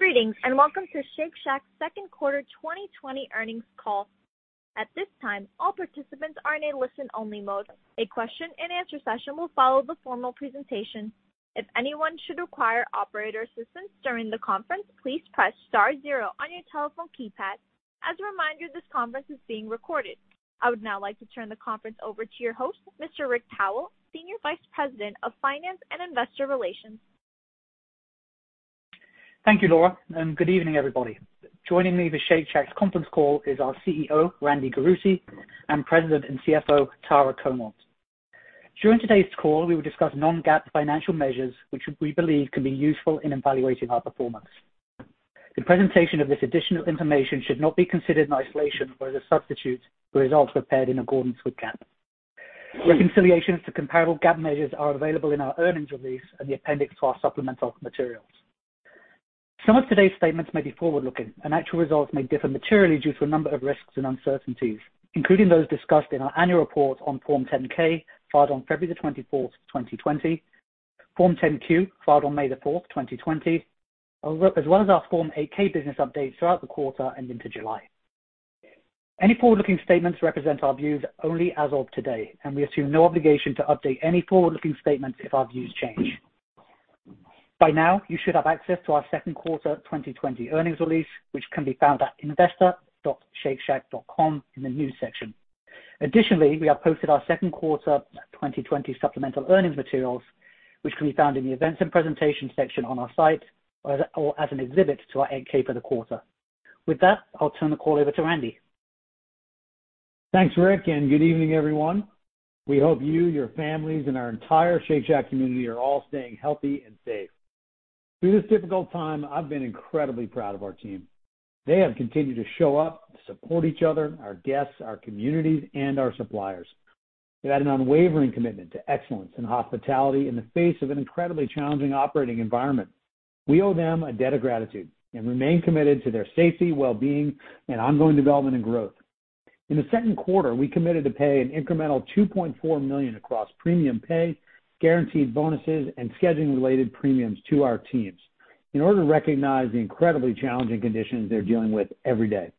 Greetings, and welcome to Shake Shack's second quarter 2020 earnings call. At this time, all participants are in a listen-only mode. A question and answer session will follow the formal presentation. If anyone should require operator assistance during the conference, please press star zero on your telephone keypad. As a reminder, this conference is being recorded. I would now like to turn the conference over to your host, Mr. Rik Powell, Senior Vice President of Finance and Investor Relations. Thank you, Laura, and good evening, everybody. Joining me this Shake Shack conference call is our CEO, Randy Garutti, and President and CFO, Tara Comonte. During today's call, we will discuss non-GAAP financial measures which we believe can be useful in evaluating our performance. The presentation of this additional information should not be considered in isolation or as a substitute for results prepared in accordance with GAAP. Reconciliations to comparable GAAP measures are available in our earnings release and the appendix to our supplemental materials. Some of today's statements may be forward-looking and actual results may differ materially due to a number of risks and uncertainties, including those discussed in our annual report on Form 10-K, filed on February 24th, 2020, Form 10-Q, filed on May 4th, 2020, as well as our Form 8-K business updates throughout the quarter and into July. Any forward-looking statements represent our views only as of today, and we assume no obligation to update any forward-looking statements if our views change. By now, you should have access to our second quarter 2020 earnings release, which can be found at investor.shakeshack.com in the news section. Additionally, we have posted our second quarter 2020 supplemental earnings materials, which can be found in the events and presentations section on our site or as an exhibit to our 8-K for the quarter. With that, I'll turn the call over to Randy. Thanks, Rik, good evening, everyone. We hope you, your families, and our entire Shake Shack community are all staying healthy and safe. Through this difficult time, I've been incredibly proud of our team. They have continued to show up, support each other, our guests, our communities, and our suppliers. They've had an unwavering commitment to excellence and hospitality in the face of an incredibly challenging operating environment. We owe them a debt of gratitude and remain committed to their safety, well-being, and ongoing development and growth. In the second quarter, we committed to pay an incremental $2.4 million across premium pay, guaranteed bonuses, and scheduling related premiums to our teams in order to recognize the incredibly challenging conditions they're dealing with every day.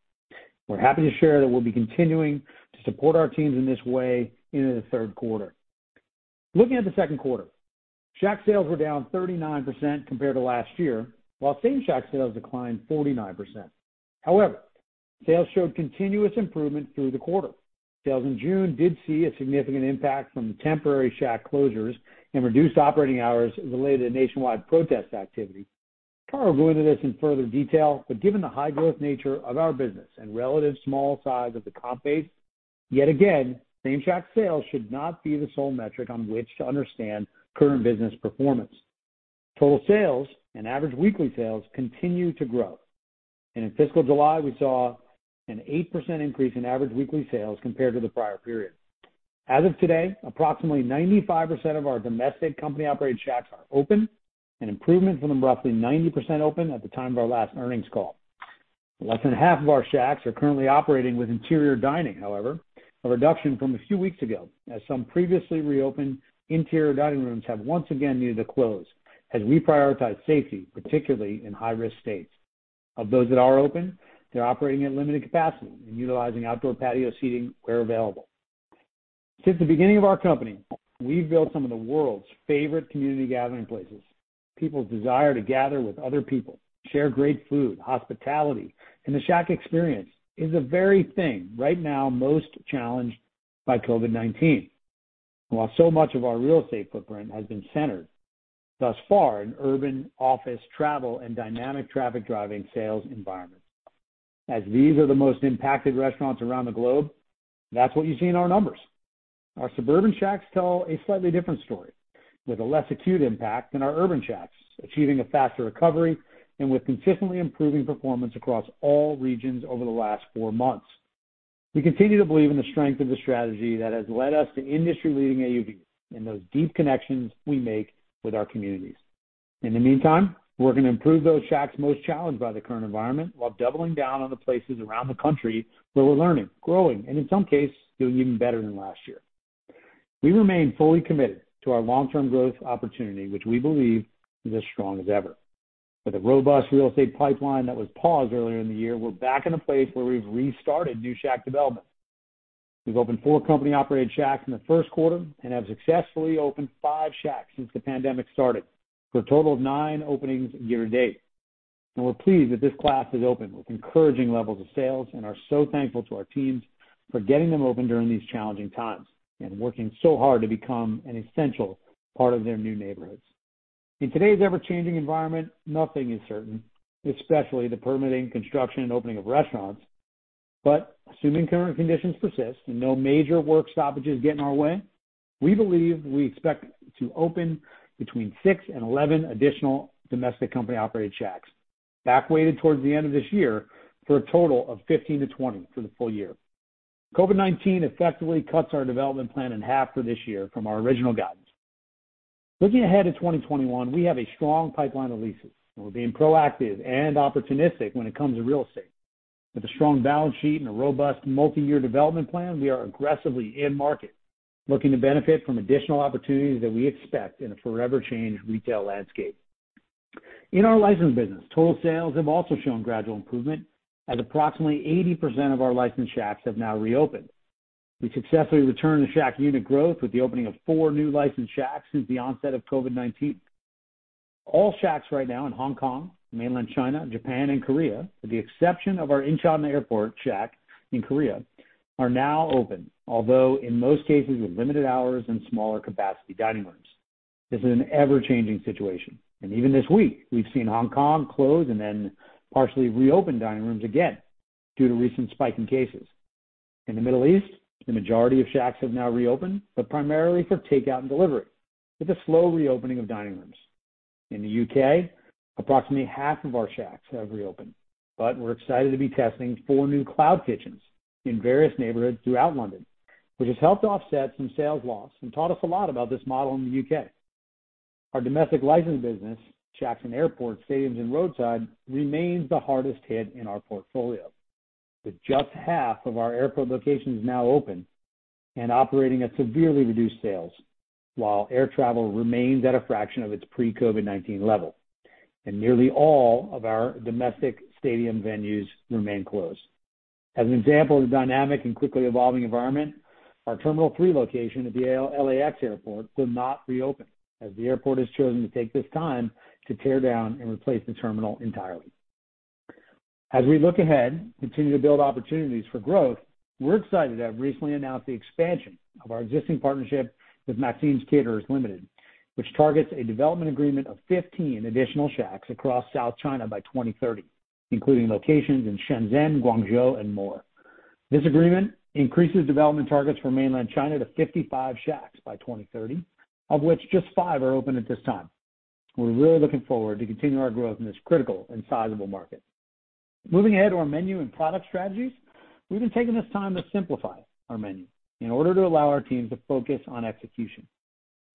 We're happy to share that we'll be continuing to support our teams in this way into the third quarter. Looking at the second quarter, Shack sales were down 39% compared to last year, while same Shack sales declined 49%. Sales showed continuous improvement through the quarter. Sales in June did see a significant impact from temporary Shack closures and reduced operating hours related to nationwide protest activity. Tara will go into this in further detail, given the high growth nature of our business and relative small size of the comp base, yet again, same Shack sales should not be the sole metric on which to understand current business performance. Total sales and average weekly sales continue to grow. In fiscal July, we saw an 8% increase in average weekly sales compared to the prior period. As of today, approximately 95% of our domestic company-operated Shacks are open, an improvement from the roughly 90% open at the time of our last earnings call. Less than half of our Shacks are currently operating with interior dining, however, a reduction from a few weeks ago, as some previously reopened interior dining rooms have once again needed to close as we prioritize safety, particularly in high-risk states. Of those that are open, they're operating at limited capacity and utilizing outdoor patio seating where available. Since the beginning of our company, we've built some of the world's favorite community gathering places. People's desire to gather with other people, share great food, hospitality, and The Shack experience is the very thing right now most challenged by COVID-19. While so much of our real estate footprint has been centered thus far in urban office travel and dynamic traffic driving sales environments. As these are the most impacted restaurants around the globe, that's what you see in our numbers. Our suburban Shacks tell a slightly different story with a less acute impact than our urban Shacks, achieving a faster recovery and with consistently improving performance across all regions over the last four months. We continue to believe in the strength of the strategy that has led us to industry-leading AUV in those deep connections we make with our communities. In the meantime, we're going to improve those Shacks most challenged by the current environment while doubling down on the places around the country where we're learning, growing, and in some cases, doing even better than last year. We remain fully committed to our long-term growth opportunity, which we believe is as strong as ever. With a robust real estate pipeline that was paused earlier in the year, we're back in a place where we've restarted new Shack development. We've opened four company-operated Shacks in the first quarter and have successfully opened five Shacks since the pandemic started for a total of nine openings year to date. We're pleased that this class has opened with encouraging levels of sales and are so thankful to our teams for getting them open during these challenging times and working so hard to become an essential part of their new neighborhoods. In today's ever-changing environment, nothing is certain, especially the permitting, construction, and opening of restaurants. Assuming current conditions persist and no major work stoppages get in our way, we believe we expect to open between six and 11 additional domestic company-operated Shacks, back weighted towards the end of this year, for a total of 15-20 for the full year. COVID-19 effectively cuts our development plan in half for this year from our original guidance. Looking ahead to 2021, we have a strong pipeline of leases, and we're being proactive and opportunistic when it comes to real estate. With a strong balance sheet and a robust multi-year development plan, we are aggressively in market looking to benefit from additional opportunities that we expect in a forever changed retail landscape. In our licensed business, total sales have also shown gradual improvement as approximately 80% of our licensed Shacks have now reopened. We successfully returned to Shack unit growth with the opening of four new licensed Shacks since the onset of COVID-19. All Shacks right now in Hong Kong, mainland China, Japan, and Korea, with the exception of our Incheon Airport Shack in Korea, are now open. Although in most cases with limited hours and smaller capacity dining rooms. This is an ever-changing situation, and even this week we've seen Hong Kong close and then partially reopen dining rooms again due to recent spike in cases. In the Middle East, the majority of Shacks have now reopened, but primarily for takeout and delivery, with a slow reopening of dining rooms. In the U.K., approximately half of our Shacks have reopened, but we're excited to be testing four new cloud kitchens in various neighborhoods throughout London, which has helped offset some sales loss and taught us a lot about this model in the U.K. Our domestic licensed business, Shacks in airports, stadiums, and roadside, remains the hardest hit in our portfolio. With just half of our airport locations now open and operating at severely reduced sales, while air travel remains at a fraction of its pre-COVID-19 level, and nearly all of our domestic stadium venues remain closed. As an example of the dynamic and quickly evolving environment, our Terminal Three location at the L.A.X. Airport will not reopen, as the airport has chosen to take this time to tear down and replace the terminal entirely. As we look ahead and continue to build opportunities for growth, we're excited to have recently announced the expansion of our existing partnership with Maxim's Caterers Limited, which targets a development agreement of 15 additional Shacks across South China by 2030, including locations in Shenzhen, Guangzhou, and more. This agreement increases development targets for Mainland China to 55 Shacks by 2030, of which just five are open at this time. We're really looking forward to continuing our growth in this critical and sizable market. Moving ahead to our menu and product strategies. We've been taking this time to simplify our menu in order to allow our teams to focus on execution.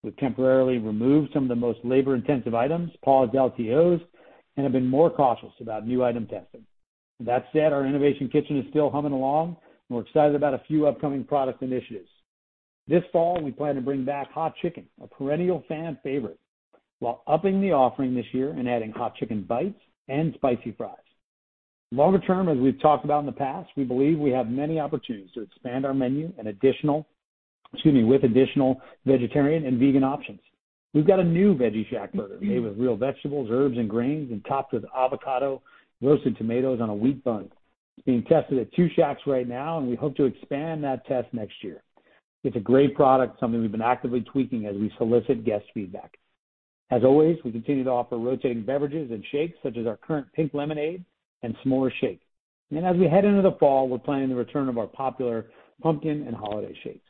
We've temporarily removed some of the most labor-intensive items, paused LTOs, and have been more cautious about new item testing. Our innovation kitchen is still humming along, and we're excited about a few upcoming product initiatives. This fall, we plan to bring back Hot Chick'n, a perennial fan favorite, while upping the offering this year and adding Hot Chick'n Bites and Hot Spicy Fries. Longer term, as we've talked about in the past, we believe we have many opportunities to expand our menu and with additional vegetarian and vegan options. We've got a new veggie ShackBurger made with real vegetables, herbs, and grains, and topped with avocado, roasted tomatoes on a wheat bun. It's being tested at two Shacks right now, and we hope to expand that test next year. It's a great product, something we've been actively tweaking as we solicit guest feedback. As always, we continue to offer rotating beverages and shakes, such as our current Pink Lemonade and S'mores Shake. As we head into the fall, we're planning the return of our popular pumpkin and holiday shakes.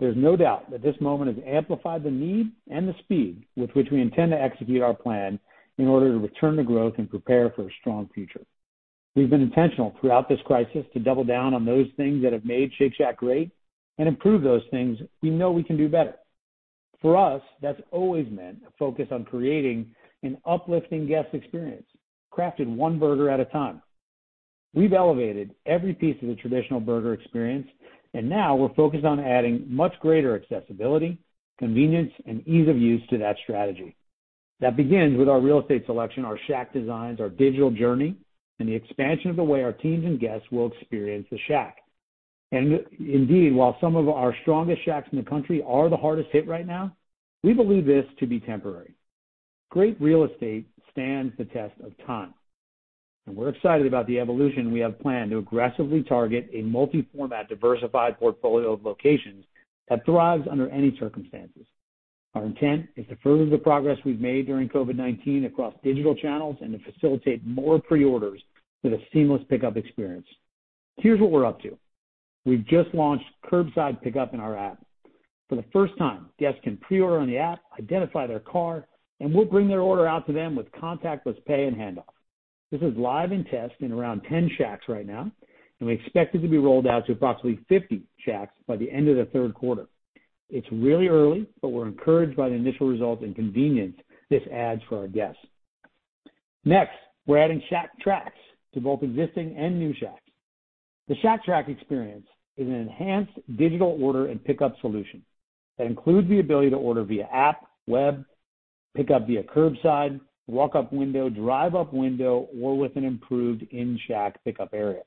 There's no doubt that this moment has amplified the need and the speed with which we intend to execute our plan in order to return to growth and prepare for a strong future. We've been intentional throughout this crisis to double down on those things that have made Shake Shack great and improve those things we know we can do better. For us, that's always meant a focus on creating an uplifting guest experience, crafted one burger at a time. We've elevated every piece of the traditional burger experience, and now we're focused on adding much greater accessibility, convenience, and ease of use to that strategy. That begins with our real estate selection, our Shack designs, our digital journey, and the expansion of the way our teams and guests will experience the Shack. Indeed, while some of our strongest Shacks in the country are the hardest hit right now, we believe this to be temporary. Great real estate stands the test of time, we're excited about the evolution we have planned to aggressively target a multi-format, diversified portfolio of locations that thrives under any circumstances. Our intent is to further the progress we've made during COVID-19 across digital channels and to facilitate more pre-orders with a seamless pickup experience. Here's what we're up to. We've just launched curbside pickup in our app. For the first time, guests can pre-order on the app, identify their car, we'll bring their order out to them with contactless pay and handoff. This is live in test in around 10 Shacks right now. We expect it to be rolled out to approximately 50 Shacks by the end of the third quarter. It's really early. We're encouraged by the initial results and convenience this adds for our guests. Next, we're adding Shack Track to both existing and new Shacks. The Shack Track experience is an enhanced digital order and pickup solution that includes the ability to order via app, web, pick up via curbside, walk-up window, drive-up window, or with an improved in-Shack pickup area.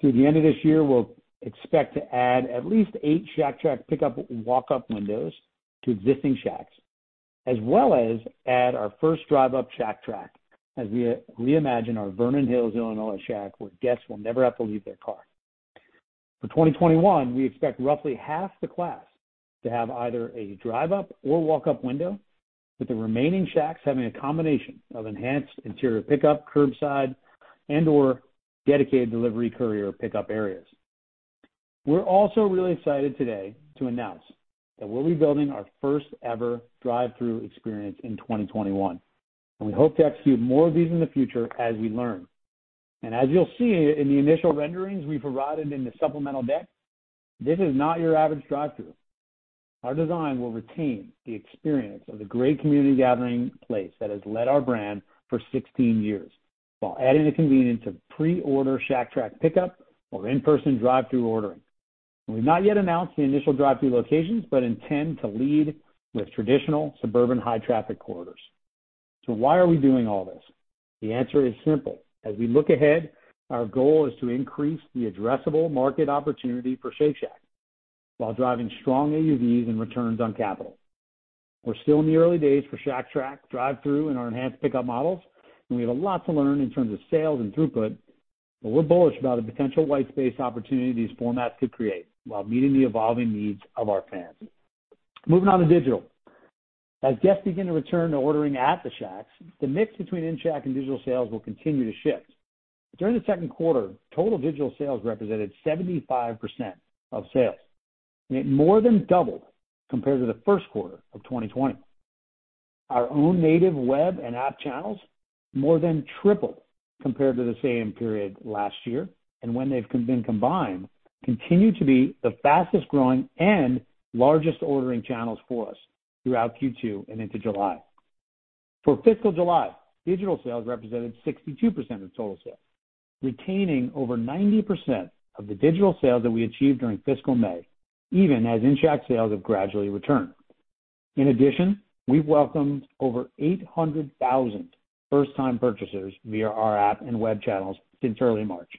Through the end of this year, we'll expect to add at least eight Shack Track pickup and walk-up windows to existing Shacks, as well as add our first drive-up Shack Track as we reimagine our Vernon Hills, Illinois, Shack, where guests will never have to leave their car. For 2021, we expect roughly half the class to have either a drive-up or walk-up window, with the remaining shacks having a combination of enhanced interior pickup, curbside, and/or dedicated delivery courier pickup areas. We're also really excited today to announce that we'll be building our first-ever drive-thru experience in 2021, and we hope to execute more of these in the future as we learn. As you'll see in the initial renderings we provided in the supplemental deck, this is not your average drive-thru. Our design will retain the experience of the great community gathering place that has led our brand for 16 years, while adding the convenience of pre-order Shack Track pickup or in-person drive-through ordering. We've not yet announced the initial drive-through locations, but intend to lead with traditional suburban high traffic corridors. Why are we doing all this? The answer is simple. As we look ahead, our goal is to increase the addressable market opportunity for Shake Shack while driving strong AUVs and returns on capital. We're still in the early days for Shack Track drive-through and our enhanced pickup models, and we have a lot to learn in terms of sales and throughput, but we're bullish about the potential white space opportunity these formats could create while meeting the evolving needs of our fans. Moving on to digital. As guests begin to return to ordering at the Shacks, the mix between in-Shack and digital sales will continue to shift. During the second quarter, total digital sales represented 75% of sales, and it more than doubled compared to the first quarter of 2020. Our own native web and app channels more than tripled compared to the same period last year, and when they've been combined, continue to be the fastest-growing and largest ordering channels for us throughout Q2 and into July. For fiscal July, digital sales represented 62% of total sales, retaining over 90% of the digital sales that we achieved during fiscal May, even as in-Shack sales have gradually returned. In addition, we've welcomed over 800,000 first-time purchasers via our app and web channels since early March.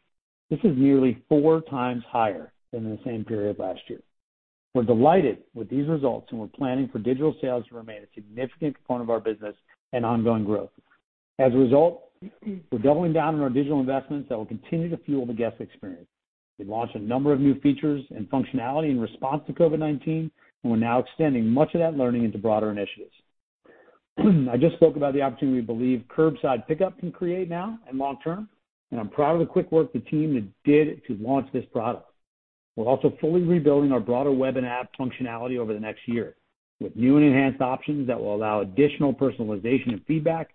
This is nearly four times higher than in the same period last year. We're delighted with these results, and we're planning for digital sales to remain a significant component of our business and ongoing growth. As a result, we're doubling down on our digital investments that will continue to fuel the guest experience. We've launched a number of new features and functionality in response to COVID-19, and we're now extending much of that learning into broader initiatives. I just spoke about the opportunity we believe curbside pickup can create now and long term, and I'm proud of the quick work the team did to launch this product. We're also fully rebuilding our broader web and app functionality over the next year with new and enhanced options that will allow additional personalization and feedback,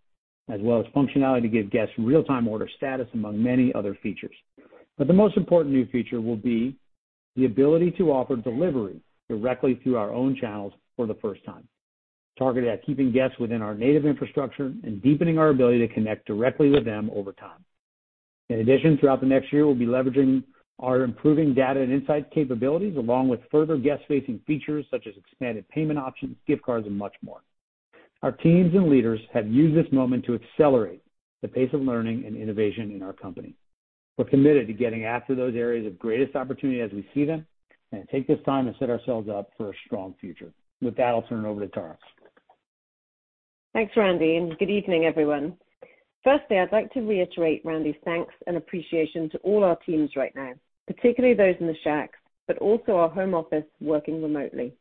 as well as functionality to give guests real-time order status, among many other features. The most important new feature will be the ability to offer delivery directly through our own channels for the first time, targeted at keeping guests within our native infrastructure and deepening our ability to connect directly with them over time. In addition, throughout the next year, we'll be leveraging our improving data and insight capabilities, along with further guest-facing features such as expanded payment options, gift cards, and much more. Our teams and leaders have used this moment to accelerate the pace of learning and innovation in our company. We're committed to getting after those areas of greatest opportunity as we see them and take this time to set ourselves up for a strong future. With that, I'll turn it over to Tara. Thanks, Randy, good evening, everyone. Firstly, I'd like to reiterate Randy's thanks and appreciation to all our teams right now, particularly those in the Shacks, but also our home office working remotely.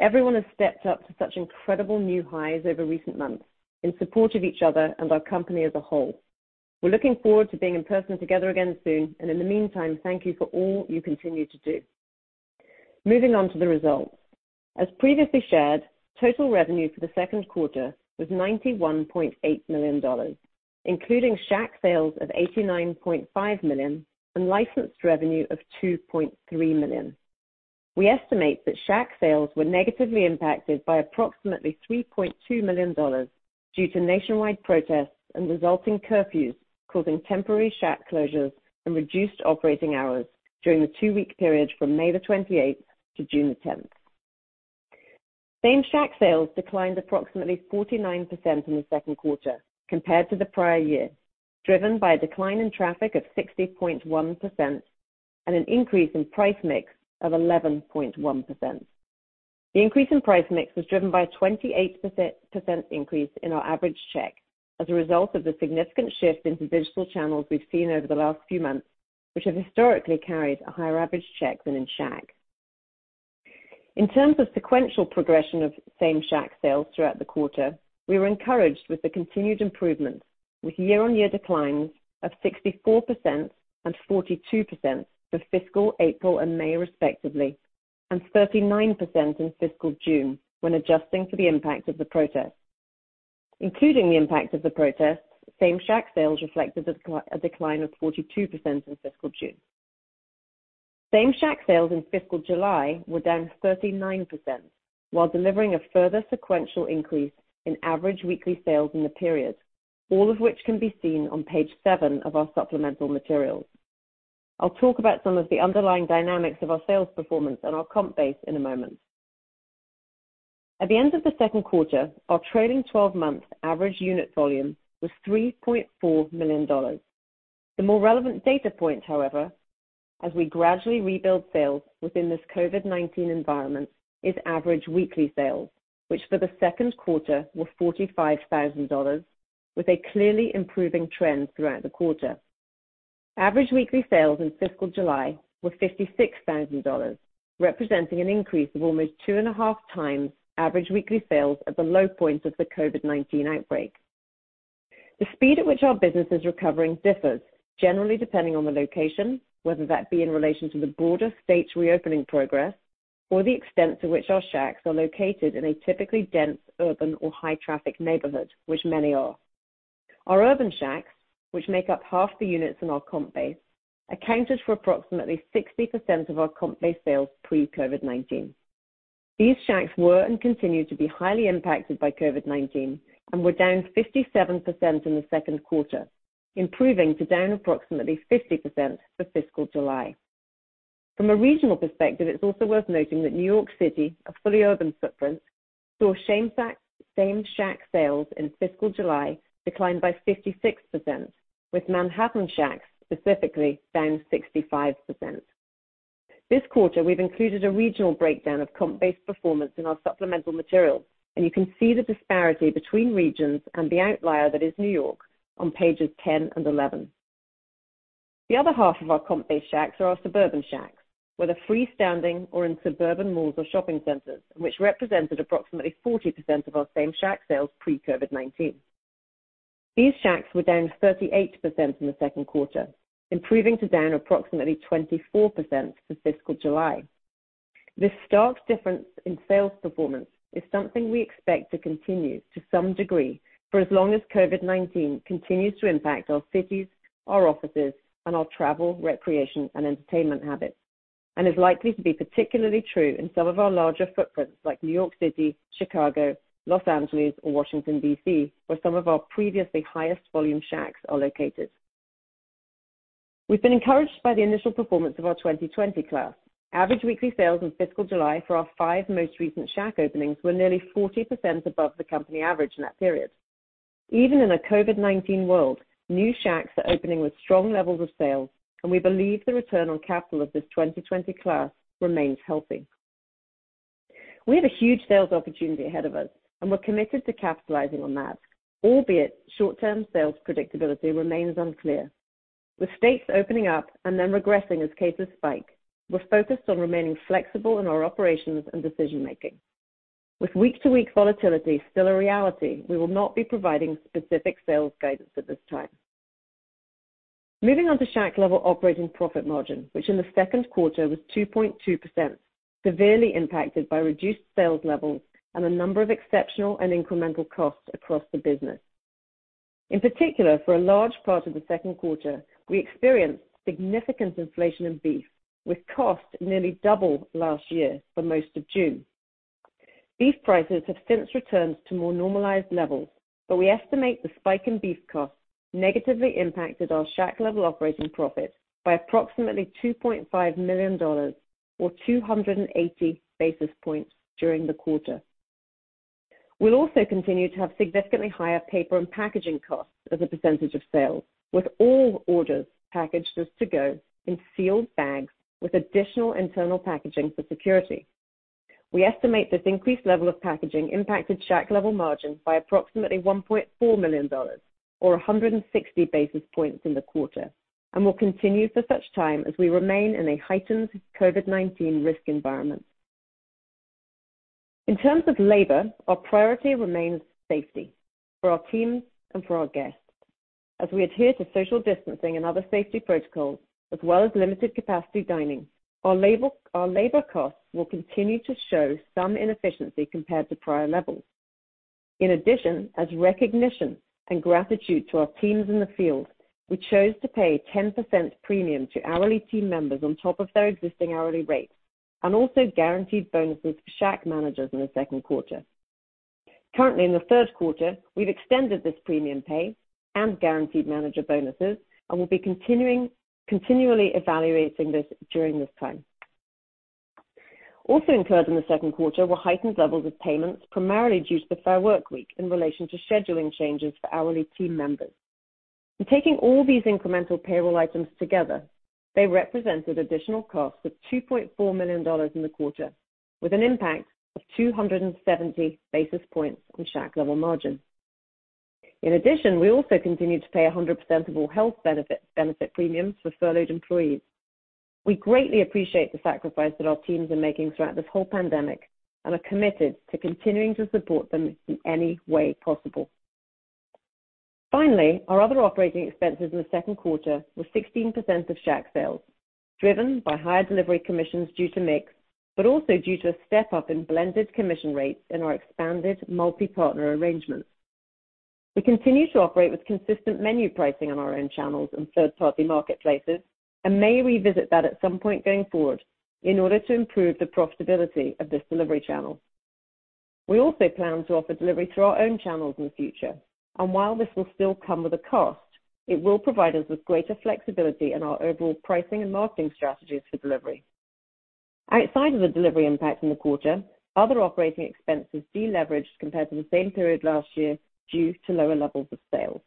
Everyone has stepped up to such incredible new highs over recent months in support of each other and our company as a whole. We're looking forward to being in person together again soon, and in the meantime, thank you for all you continue to do. Moving on to the results. As previously shared, total revenue for the second quarter was $91.8 million, including Shack sales of $89.5 million and licensed revenue of $2.3 million. We estimate that Shack sales were negatively impacted by approximately $3.2 million due to nationwide protests and resulting curfews causing temporary Shack closures and reduced operating hours during the two-week period from May 28th to June 10th. Same Shack sales declined approximately 49% in the second quarter compared to the prior year, driven by a decline in traffic of 60.1% and an increase in price mix of 11.1%. The increase in price mix was driven by a 28% increase in our average check as a result of the significant shift into digital channels we've seen over the last few months, which have historically carried a higher average check than in-Shack. In terms of sequential progression of same Shack sales throughout the quarter, we were encouraged with the continued improvements with year-on-year declines of 64% and 42% for fiscal April and May, respectively, and 39% in fiscal June when adjusting for the impact of the protests. Including the impact of the protests, same Shack sales reflected a decline of 42% in fiscal June. Same Shack sales in fiscal July were down 39% while delivering a further sequential increase in average weekly sales in the period, all of which can be seen on page seven of our supplemental materials. I'll talk about some of the underlying dynamics of our sales performance and our comp base in a moment. At the end of the second quarter, our trailing 12-month average unit volume was $3.4 million. The more relevant data point, however, as we gradually rebuild sales within this COVID-19 environment, is average weekly sales, which for the second quarter were $45,000, with a clearly improving trend throughout the quarter. Average weekly sales in fiscal July were $56,000, representing an increase of almost two and a half times average weekly sales at the low point of the COVID-19 outbreak. The speed at which our business is recovering differs generally depending on the location, whether that be in relation to the broader state's reopening progress or the extent to which our Shacks are located in a typically dense urban or high-traffic neighborhood, which many are. Our urban Shacks, which make up half the units in our comp base, accounted for approximately 60% of our comp base sales pre-COVID-19. These Shacks were and continue to be highly impacted by COVID-19 and were down 57% in the second quarter, improving to down approximately 50% for fiscal July. From a regional perspective, it's also worth noting that New York City, a fully urban footprint, saw same Shack sales in fiscal July decline by 56%, with Manhattan Shacks specifically down 65%. This quarter, we've included a regional breakdown of comp-based performance in our supplemental materials, and you can see the disparity between regions and the outlier that is New York on pages 10 and 11. The other half of our comp-based Shacks are our suburban Shacks, whether freestanding or in suburban malls or shopping centers, and which represented approximately 40% of our same Shack sales pre-COVID-19. These Shacks were down 38% in the second quarter, improving to down approximately 24% for fiscal July. This stark difference in sales performance is something we expect to continue to some degree for as long as COVID-19 continues to impact our cities, our offices, and our travel, recreation, and entertainment habits, and is likely to be particularly true in some of our larger footprints like New York City, Chicago, Los Angeles, or Washington, D.C., where some of our previously highest volume Shacks are located. We've been encouraged by the initial performance of our 2020 class. Average weekly sales in fiscal July for our five most recent Shack openings were nearly 40% above the company average in that period. Even in a COVID-19 world, new Shacks are opening with strong levels of sales, and we believe the return on capital of this 2020 class remains healthy. We have a huge sales opportunity ahead of us, and we're committed to capitalizing on that, albeit short-term sales predictability remains unclear. With states opening up and then regressing as cases spike, we're focused on remaining flexible in our operations and decision-making. With week-to-week volatility still a reality, we will not be providing specific sales guidance at this time. Moving on to Shack-level operating profit margin, which in the second quarter was 2.2%, severely impacted by reduced sales levels and a number of exceptional and incremental costs across the business. In particular, for a large part of the second quarter, we experienced significant inflation in beef, with costs nearly double last year for most of June. Beef prices have since returned to more normalized levels, but we estimate the spike in beef costs negatively impacted our Shack-level operating profit by approximately $2.5 million, or 280 basis points during the quarter. We'll also continue to have significantly higher paper and packaging costs as a percentage of sales, with all orders packaged as to-go in sealed bags with additional internal packaging for security. We estimate this increased level of packaging impacted Shack level margin by approximately $1.4 million, or 160 basis points in the quarter, and will continue for such time as we remain in a heightened COVID-19 risk environment. In terms of labor, our priority remains safety for our teams and for our guests. As we adhere to social distancing and other safety protocols, as well as limited capacity dining, our labor costs will continue to show some inefficiency compared to prior levels. In addition, as recognition and gratitude to our teams in the field, we chose to pay 10% premium to hourly team members on top of their existing hourly rates, and also guaranteed bonuses for Shack managers in the second quarter. Currently in the third quarter, we've extended this premium pay and guaranteed manager bonuses and will be continually evaluating this during this time. Also incurred in the second quarter were heightened levels of payments, primarily due to the Fair workweek in relation to scheduling changes for hourly team members. In taking all these incremental payroll items together, they represented additional costs of $2.4 million in the quarter, with an impact of 270 basis points on Shack-level margin. In addition, we also continue to pay 100% of all health benefit premiums for furloughed employees. We greatly appreciate the sacrifice that our teams are making throughout this whole pandemic and are committed to continuing to support them in any way possible. Finally, our other operating expenses in the second quarter were 16% of Shack sales, driven by higher delivery commissions due to mix, but also due to a step-up in blended commission rates in our expanded multi-partner arrangements. We continue to operate with consistent menu pricing on our own channels and third-party marketplaces and may revisit that at some point going forward in order to improve the profitability of this delivery channel. We also plan to offer delivery through our own channels in the future, and while this will still come with a cost, it will provide us with greater flexibility in our overall pricing and marketing strategies for delivery. Outside of the delivery impact in the quarter, other operating expenses deleveraged compared to the same period last year due to lower levels of sales.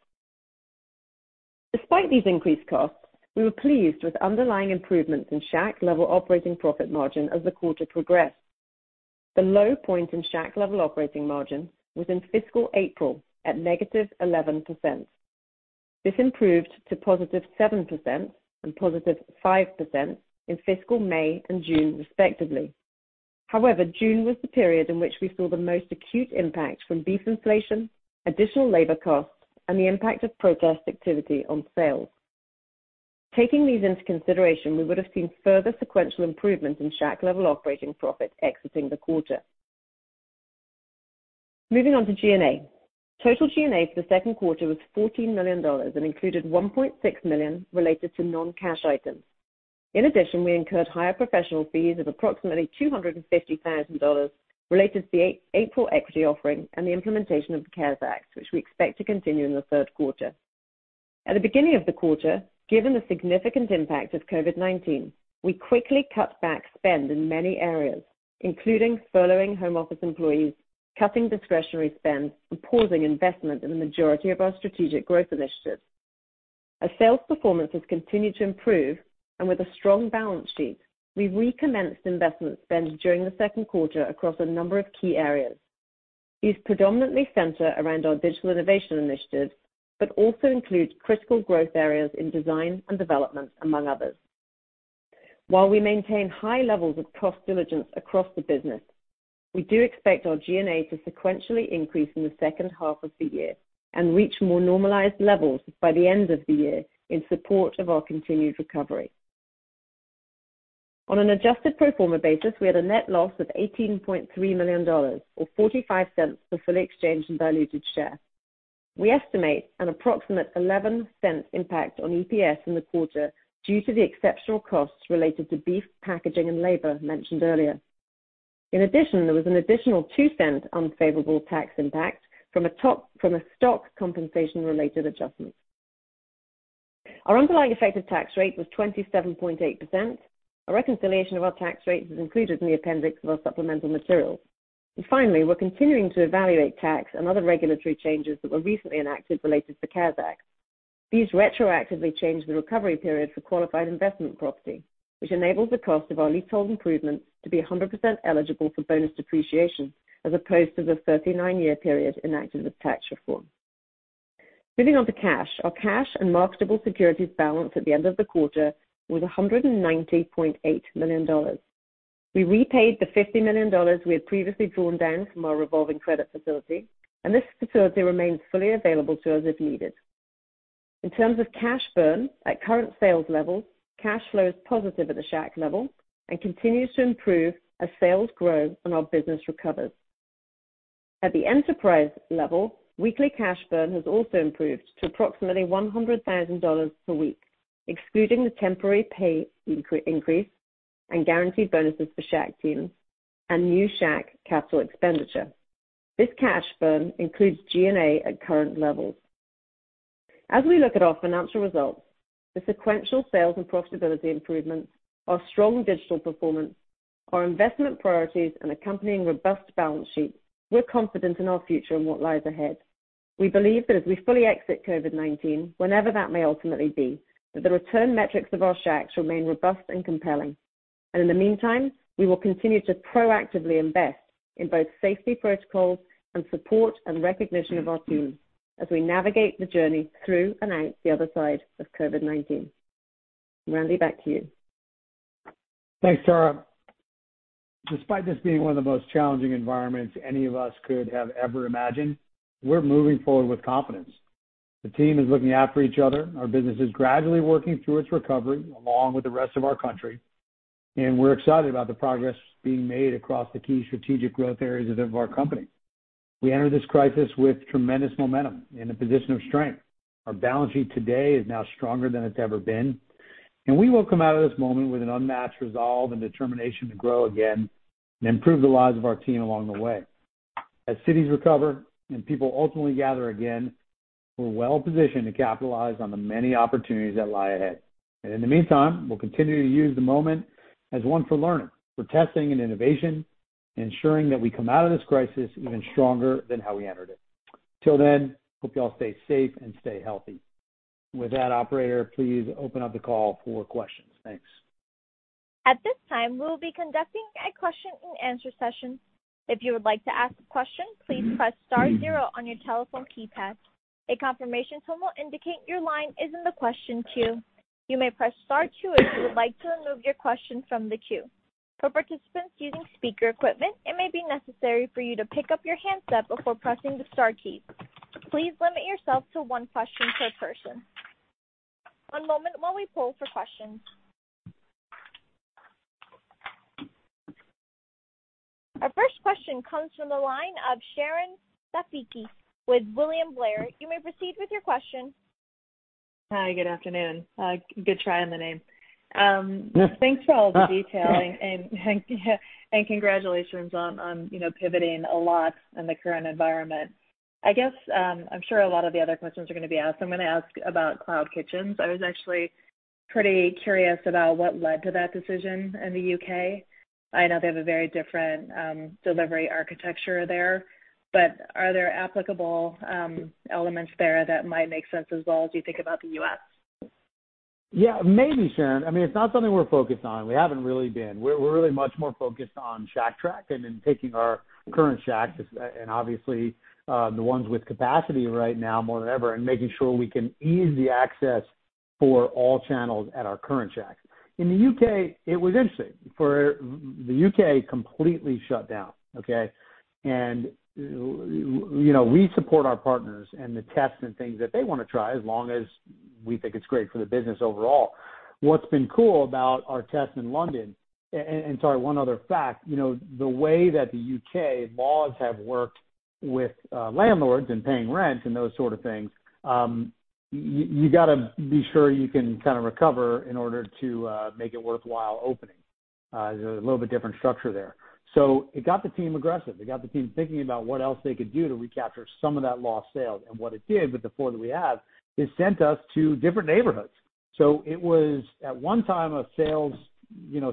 Despite these increased costs, we were pleased with underlying improvements in Shack level operating profit margin as the quarter progressed. The low point in Shack level operating margin was in fiscal April at negative 11%. This improved to positive 7% and positive 5% in fiscal May and June respectively. However, June was the period in which we saw the most acute impact from beef inflation, additional labor costs, and the impact of protest activity on sales. Taking these into consideration, we would have seen further sequential improvements in Shack level operating profit exiting the quarter. Moving on to G&A. Total G&A for the second quarter was $14 million and included $1.6 million related to non-cash items. In addition, we incurred higher professional fees of approximately $255,000 related to the April equity offering and the implementation of the CARES Act, which we expect to continue in the third quarter. At the beginning of the quarter, given the significant impact of COVID-19, we quickly cut back spend in many areas, including furloughing home office employees, cutting discretionary spends, and pausing investment in the majority of our strategic growth initiatives. Our sales performance has continued to improve, and with a strong balance sheet, we recommenced investment spend during the second quarter across a number of key areas. These predominantly center around our digital innovation initiatives, but also include critical growth areas in design and development, among others. While we maintain high levels of cost diligence across the business, we do expect our G&A to sequentially increase in the second half of the year and reach more normalized levels by the end of the year in support of our continued recovery. On an adjusted pro forma basis, we had a net loss of $18.3 million or $0.45 for fully exchanged and diluted share. We estimate an approximate $0.11 impact on EPS in the quarter due to the exceptional costs related to beef packaging and labor mentioned earlier. In addition, there was an additional $0.02 unfavorable tax impact from a stock compensation-related adjustment. Our underlying effective tax rate was 27.8%. A reconciliation of our tax rate is included in the appendix of our supplemental materials. Finally, we're continuing to evaluate tax and other regulatory changes that were recently enacted related to the CARES Act. These retroactively change the recovery period for qualified investment property, which enables the cost of our leasehold improvements to be 100% eligible for bonus depreciation as opposed to the 39-year period enacted with tax reform. Moving on to cash. Our cash and marketable securities balance at the end of the quarter was $190.8 million. We repaid the $50 million we had previously drawn down from our revolving credit facility. This facility remains fully available to us if needed. In terms of cash burn at current sales levels, cash flow is positive at the Shack level and continues to improve as sales grow and our business recovers. At the enterprise level, weekly cash burn has also improved to approximately $100,000 per week, excluding the temporary pay increase and guaranteed bonuses for Shack teams and new Shack capital expenditure. This cash burn includes G&A at current levels. As we look at our financial results, the sequential sales and profitability improvements, our strong digital performance, our investment priorities, and accompanying robust balance sheets, we're confident in our future and what lies ahead. We believe that as we fully exit COVID-19, whenever that may ultimately be, that the return metrics of our Shacks remain robust and compelling. In the meantime, we will continue to proactively invest in both safety protocols and support and recognition of our teams as we navigate the journey through and out the other side of COVID-19. Randy, back to you. Thanks, Tara. Despite this being one of the most challenging environments any of us could have ever imagined, we're moving forward with confidence. The team is looking after each other. Our business is gradually working through its recovery along with the rest of our country, and we're excited about the progress being made across the key strategic growth areas of our company. We entered this crisis with tremendous momentum in a position of strength. Our balance sheet today is now stronger than it's ever been, and we will come out of this moment with an unmatched resolve and determination to grow again and improve the lives of our team along the way. As cities recover and people ultimately gather again, we're well positioned to capitalize on the many opportunities that lie ahead. In the meantime, we'll continue to use the moment as one for learning, for testing and innovation, and ensuring that we come out of this crisis even stronger than how we entered it. Till then, hope you all stay safe and stay healthy. With that, operator, please open up the call for questions. Thanks. At this time, we will be conducting a question and answer session. If you would like to ask a question, please press star zero on your telephone keypad. A confirmation tone will indicate your line is in the question queue. You may press star two if you would like to remove your question from the queue. For participants using speaker equipment, it may be necessary for you to pick up your handset before pressing the star key. Please limit yourself to one question per person. One moment while we pull for questions. Our first question comes from the line of Sharon Zackfia with William Blair. You may proceed with your question. Hi, good afternoon. Good try on the name. Thanks for all the detail and congratulations on pivoting a lot in the current environment. I'm sure a lot of the other questions are going to be asked, so I'm going to ask about cloud kitchens. I was actually pretty curious about what led to that decision in the U.K. I know they have a very different delivery architecture there, but are there applicable elements there that might make sense as well as you think about the U.S.? Yeah, maybe, Sharon. It's not something we're focused on. We haven't really been. We're really much more focused on Shack Track and in taking our current Shacks, and obviously, the ones with capacity right now more than ever, and making sure we can ease the access for all channels at our current Shacks. In the U.K., it was interesting. The U.K. completely shut down, okay? We support our partners and the tests and things that they want to try as long as we think it's great for the business overall. What's been cool about our test in London, sorry, one other fact. The way that the U.K. laws have worked with landlords in paying rent and those sort of things, you got to be sure you can kind of recover in order to make it worthwhile opening. There's a little bit different structure there. It got the team aggressive. It got the team thinking about what else they could do to recapture some of that lost sale. What it did with the four that we have, it sent us to different neighborhoods. It was at one time a sales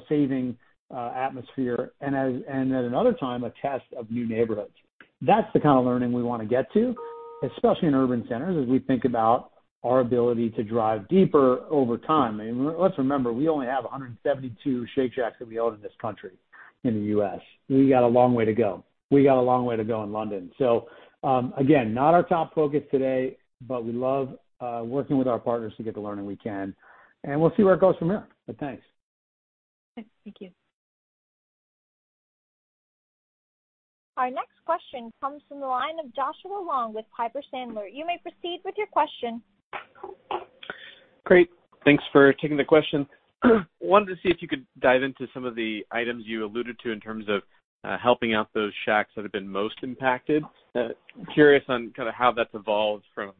saving atmosphere and at another time, a test of new neighborhoods. That's the kind of learning we want to get to, especially in urban centers, as we think about our ability to drive deeper over time. Let's remember, we only have 172 Shake Shacks that we own in this country, in the U.S. We got a long way to go. We got a long way to go in London. Again, not our top focus today, but we love working with our partners to get the learning we can, and we'll see where it goes from here. Thanks. Thank you. Our next question comes from the line of Joshua Long with Piper Sandler. You may proceed with your question. Great. Thanks for taking the question. Wanted to see if you could dive into some of the items you alluded to in terms of helping out those Shacks that have been most impacted. Curious on kind of how that's evolved from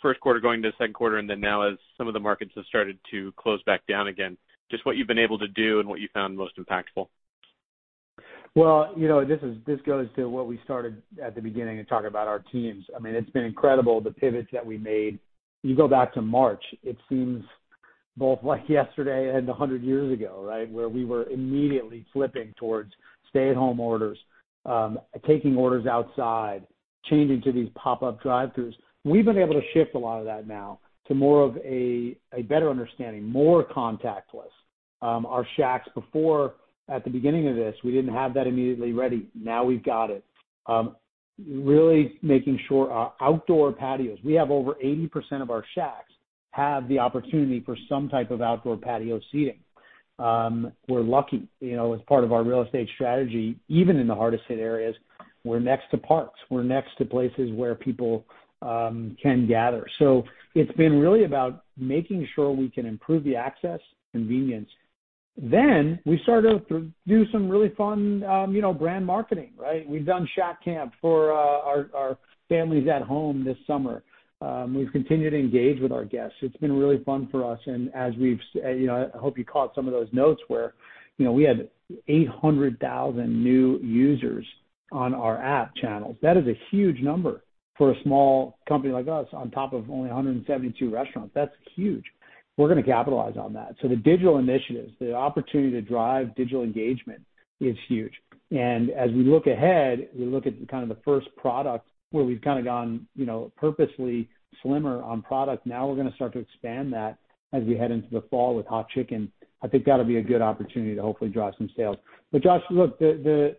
first quarter going to second quarter, and then now as some of the markets have started to close back down again, just what you've been able to do and what you found most impactful. Well, this goes to what we started at the beginning in talking about our teams. It's been incredible, the pivots that we made. You go back to March, it seems both like yesterday and 100 years ago. Where we were immediately flipping towards stay-at-home orders, taking orders outside, changing to these pop-up drive-throughs. We've been able to shift a lot of that now to more of a better understanding, more contactless. Our Shacks before, at the beginning of this, we didn't have that immediately ready. Now we've got it. Really making sure our outdoor patios. We have over 80% of our Shacks have the opportunity for some type of outdoor patio seating. We're lucky. As part of our real estate strategy, even in the hardest hit areas, we're next to parks. We're next to places where people can gather. It's been really about making sure we can improve the access, convenience. We started to do some really fun brand marketing. We've done Shack Camp for our families at home this summer. We've continued to engage with our guests. It's been really fun for us, and I hope you caught some of those notes where we had 800,000 new users on our app channels. That is a huge number for a small company like us on top of only 172 restaurants. That's huge. We're going to capitalize on that. The digital initiatives, the opportunity to drive digital engagement is huge. As we look ahead, we look at kind of the first product where we've kind of gone purposely slimmer on product. Now we're going to start to expand that as we head into the fall with Hot Chick'n. I think that'll be a good opportunity to hopefully drive some sales. Joshua, look, the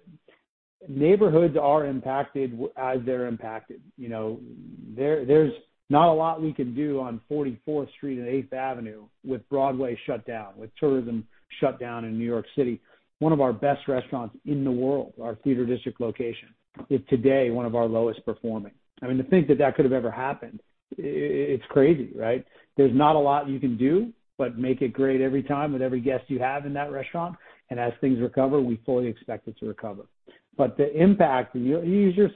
neighborhoods are impacted as they're impacted. There's not a lot we can do on 44th Street and 8th Avenue with Broadway shut down, with tourism shut down in New York City. One of our best restaurants in the world, our Theater District location, is today one of our lowest performing. To think that that could have ever happened, it's crazy. There's not a lot you can do but make it great every time with every guest you have in that restaurant, and as things recover, we fully expect it to recover. The impact, you're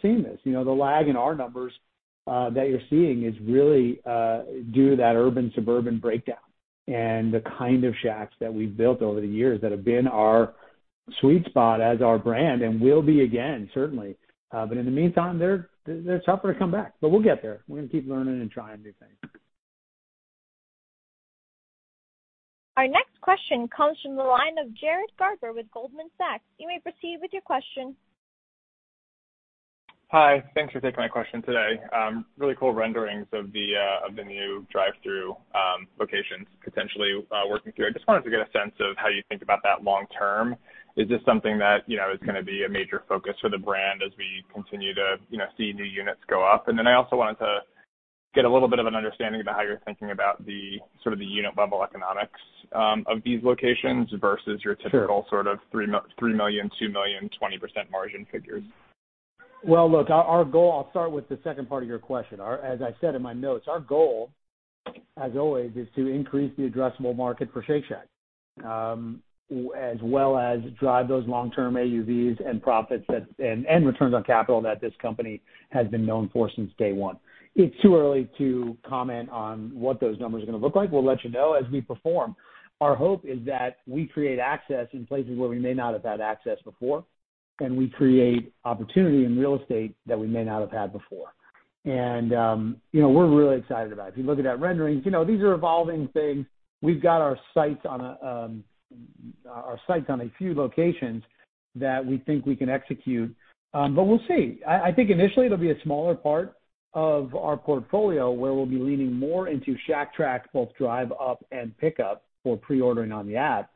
seeing this. The lag in our numbers that you're seeing is really due to that urban/suburban breakdown and the kind of Shacks that we've built over the years that have been our sweet spot as our brand and will be again, certainly. In the meantime, they're tougher to come back. We'll get there. We're going to keep learning and trying new things. Our next question comes from the line of Jared Garber with Goldman Sachs. You may proceed with your question. Hi. Thanks for taking my question today. Really cool renderings of the new drive-through locations potentially working through. I just wanted to get a sense of how you think about that long term. Is this something that is going to be a major focus for the brand as we continue to see new units go up? I also wanted to get a little bit of an understanding about how you're thinking about the unit level economics of these locations versus your typical sort of $3 million, $2 million, 20% margin figures. Well, look, I'll start with the second part of your question. As I said in my notes, our goal, as always, is to increase the addressable market for Shake Shack, as well as drive those long-term AUVs and profits and returns on capital that this company has been known for since day one. It's too early to comment on what those numbers are going to look like. We'll let you know as we perform. Our hope is that we create access in places where we may not have had access before, and we create opportunity in real estate that we may not have had before. We're really excited about it. If you look at that renderings, these are evolving things. We've got our sights on a few locations that we think we can execute. We'll see. I think initially it'll be a smaller part of our portfolio where we'll be leaning more into Shack Track, both drive up and pick up for pre-ordering on the app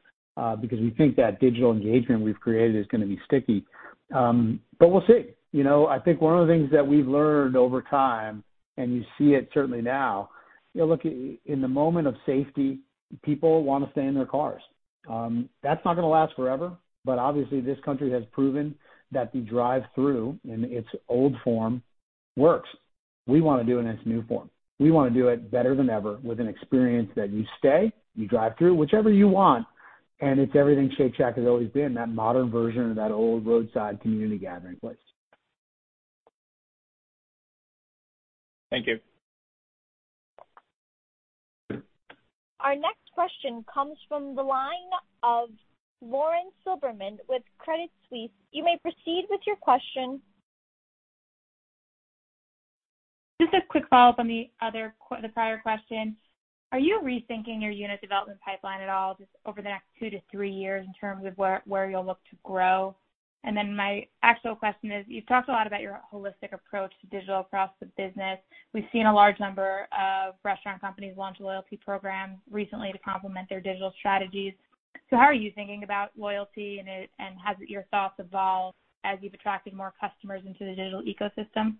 because we think that digital engagement we've created is going to be sticky. We'll see. I think one of the things that we've learned over time, and you see it certainly now, look, in the moment of safety, people want to stay in their cars. That's not going to last forever, obviously this country has proven that the drive-through in its old form works. We want to do it in its new form. We want to do it better than ever with an experience that you stay, you drive through, whichever you want, and it's everything Shake Shack has always been, that modern version of that old roadside community gathering place. Thank you. Our next question comes from the line of Lauren Silberman with Credit Suisse. You may proceed with your question. Just a quick follow-up on the prior question. Are you rethinking your unit development pipeline at all just over the next two to three years in terms of where you'll look to grow? My actual question is, you've talked a lot about your holistic approach to digital across the business. We've seen a large number of restaurant companies launch loyalty programs recently to complement their digital strategies. How are you thinking about loyalty, and have your thoughts evolved as you've attracted more customers into the digital ecosystem?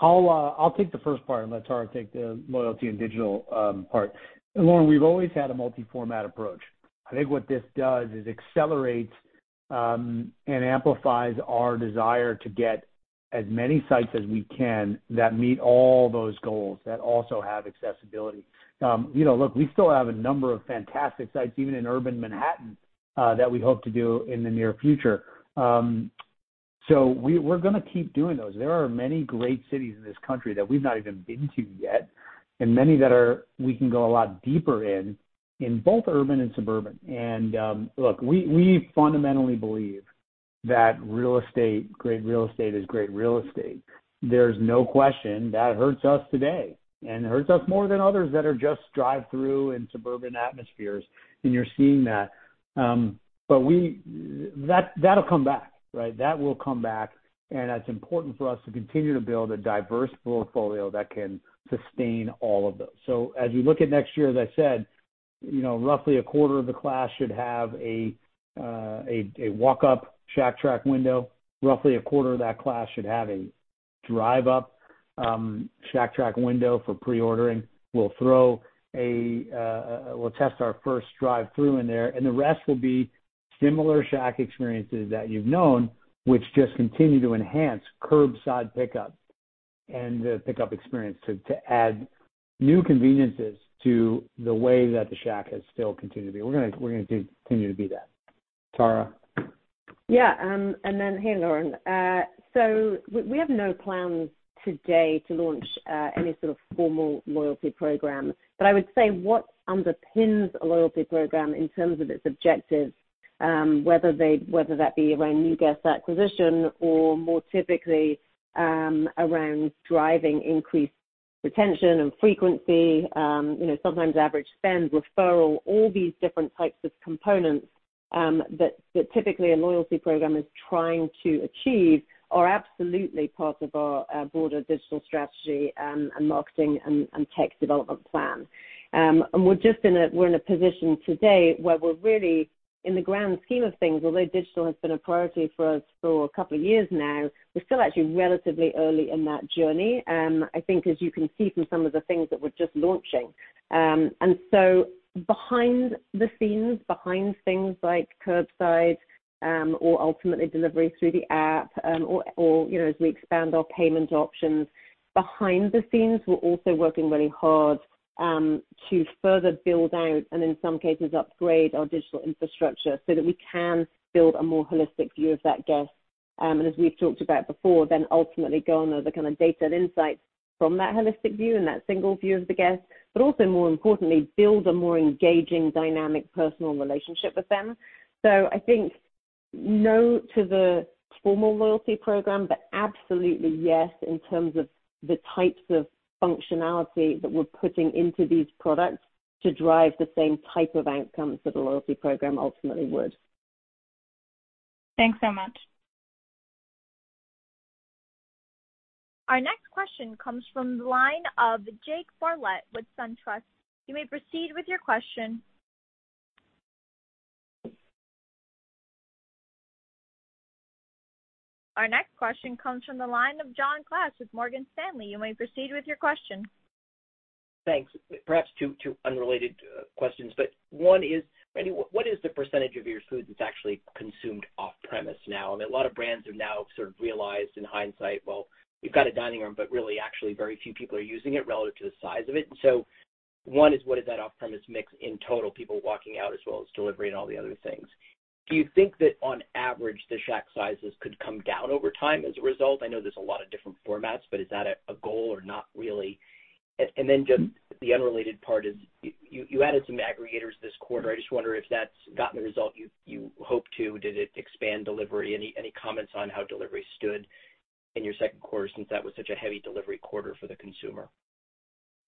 I'll take the first part and let Tara take the loyalty and digital part. Lauren, we've always had a multi-format approach. I think what this does is accelerates and amplifies our desire to get as many sites as we can that meet all those goals that also have accessibility. Look, we still have a number of fantastic sites, even in urban Manhattan, that we hope to do in the near future. We're going to keep doing those. There are many great cities in this country that we've not even been to yet, and many that we can go a lot deeper in both urban and suburban. Look, we fundamentally believe that great real estate is great real estate. There's no question that hurts us today, and hurts us more than others that are just drive-through in suburban atmospheres, and you're seeing that. That'll come back. That will come back, and it's important for us to continue to build a diverse portfolio that can sustain all of those. As we look at next year, as I said, roughly a quarter of the class should have a walk-up Shack Track window. Roughly a quarter of that class should have a drive-up Shack Track window for pre-ordering. We'll test our first drive-through in there, and the rest will be similar Shack experiences that you've known, which just continue to enhance curbside pickup and the pickup experience to add new conveniences to the way that the Shack has still continued to be. We're going to continue to be that. Tara? Yeah. Hey, Lauren. We have no plans today to launch any sort of formal loyalty program. I would say what underpins a loyalty program in terms of its objectives, whether that be around new guest acquisition or more typically around driving increased retention and frequency, sometimes average spend, referral, all these different types of components that typically a loyalty program is trying to achieve are absolutely part of our broader digital strategy and marketing and tech development plan. We're in a position today where we're really in the grand scheme of things, although digital has been a priority for us for a couple of years now, we're still actually relatively early in that journey, I think as you can see from some of the things that we're just launching. Behind the scenes, behind things like curbside or ultimately delivery through the app or as we expand our payment options, behind the scenes, we're also working really hard to further build out and in some cases, upgrade our digital infrastructure so that we can build a more holistic view of that guest. As we've talked about before, then ultimately go on the kind of data and insights from that holistic view and that single view of the guest, but also more importantly, build a more engaging, dynamic, personal relationship with them. I think no to the formal loyalty program, but absolutely yes in terms of the types of functionality that we're putting into these products to drive the same type of outcomes that a loyalty program ultimately would. Thanks so much. Our next question comes from the line of Jake Bartlett with SunTrust. You may proceed with your question. Our next question comes from the line of John Glass with Morgan Stanley. You may proceed with your question. Thanks. Perhaps two unrelated questions. One is, Randy, what is the percentage of your food that's actually consumed off-premise now? I mean, a lot of brands have now sort of realized in hindsight, well, we've got a dining room, but really actually very few people are using it relative to the size of it. One is what is that off-premise mix in total, people walking out as well as delivery and all the other things. Do you think that on average, the Shack sizes could come down over time as a result? I know there's a lot of different formats, but is that a goal or not really? Just the unrelated part is, you added some aggregators this quarter. I just wonder if that's gotten the result you hoped to. Did it expand delivery? Any comments on how delivery stood in your second quarter since that was such a heavy delivery quarter for the consumer?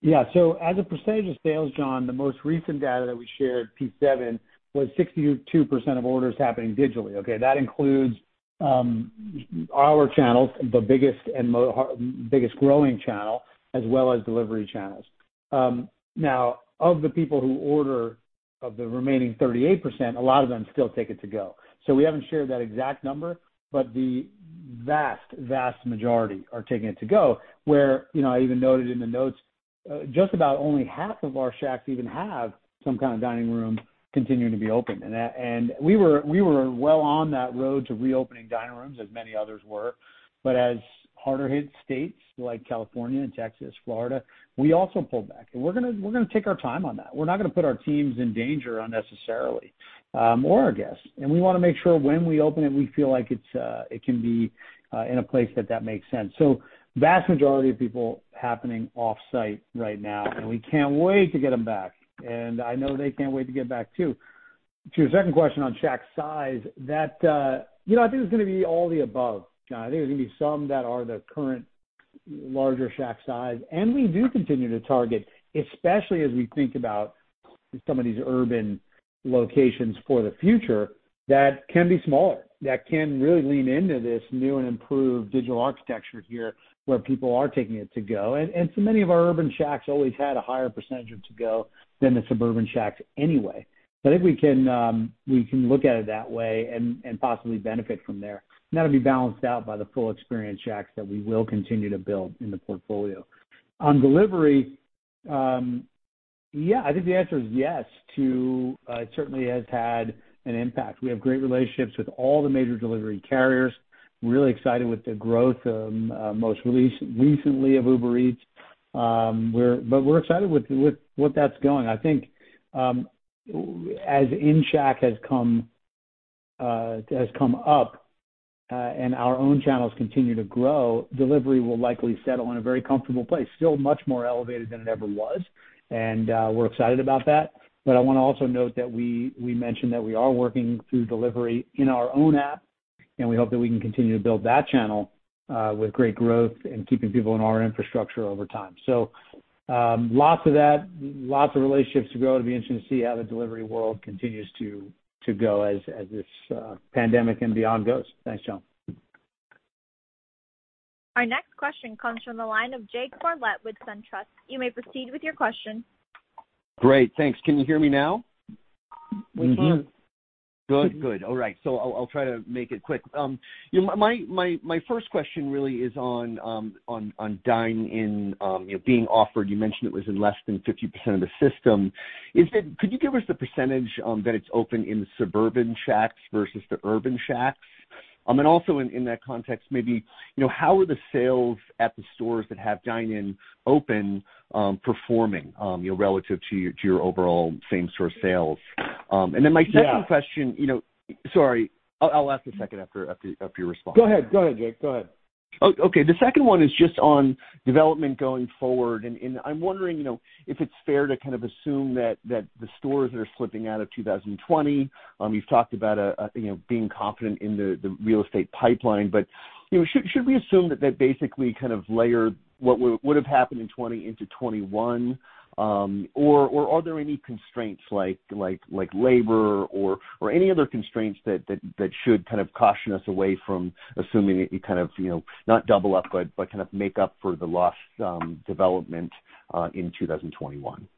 As a percentage of sales, John, the most recent data that we shared, P7, was 62% of orders happening digitally. That includes our channels, the biggest growing channel, as well as delivery channels. Of the people who order, of the remaining 38%, a lot of them still take it to go. We haven't shared that exact number, but the vast majority are taking it to go, where I even noted in the notes. Just about only half of our Shacks even have some kind of dining room continuing to be open. We were well on that road to reopening dining rooms as many others were, but as harder hit states like California and Texas, Florida, we also pulled back. We're going to take our time on that. We're not going to put our teams in danger unnecessarily, or our guests. We want to make sure when we open it, we feel like it can be in a place that makes sense. Vast majority of people happening offsite right now, and we can't wait to get them back. I know they can't wait to get back, too. To your second question on Shack's size, I think it's going to be all the above, John. I think there's going to be some that are the current larger Shack size, and we do continue to target, especially as we think about some of these urban locations for the future, that can be smaller, that can really lean into this new and improved digital architecture here where people are taking it to go. So many of our urban Shacks always had a higher percentage of to-go than the suburban Shacks anyway. If we can look at it that way and possibly benefit from there, and that'll be balanced out by the full experience Shacks that we will continue to build in the portfolio. On delivery, I think the answer is yes to, it certainly has had an impact. We have great relationships with all the major delivery carriers. Really excited with the growth, most recently of Uber Eats. We're excited with what that's going. I think as in Shack has come up, and our own channels continue to grow, delivery will likely settle in a very comfortable place, still much more elevated than it ever was, and we're excited about that. I want to also note that we mentioned that we are working through delivery in our own app, and we hope that we can continue to build that channel, with great growth and keeping people in our infrastructure over time. Lots of that, lots of relationships to grow. It'll be interesting to see how the delivery world continues to go as this pandemic and beyond goes. Thanks, John. Our next question comes from the line of Jake Bartlett with SunTrust. You may proceed with your question. Great. Thanks. Can you hear me now? We can. Good. All right. I'll try to make it quick. My first question really is on dine-in being offered. You mentioned it was in less than 50% of the system. Could you give us the percentage that it's open in the suburban Shacks versus the urban Shacks? Also in that context, maybe, how are the sales at the stores that have dine-in open, performing, relative to your overall same store sales? Then my second question. Yeah. Sorry. I'll ask the second after you respond. Go ahead, Jake. Okay. The second one is just on development going forward. I'm wondering if it's fair to kind of assume that the stores that are slipping out of 2020, you've talked about being confident in the real estate pipeline, should we assume that that basically kind of layered what would've happened in 2020 into 2021? Are there any constraints like labor or any other constraints that should kind of caution us away from assuming it, not double up, but kind of make up for the lost development in 2021?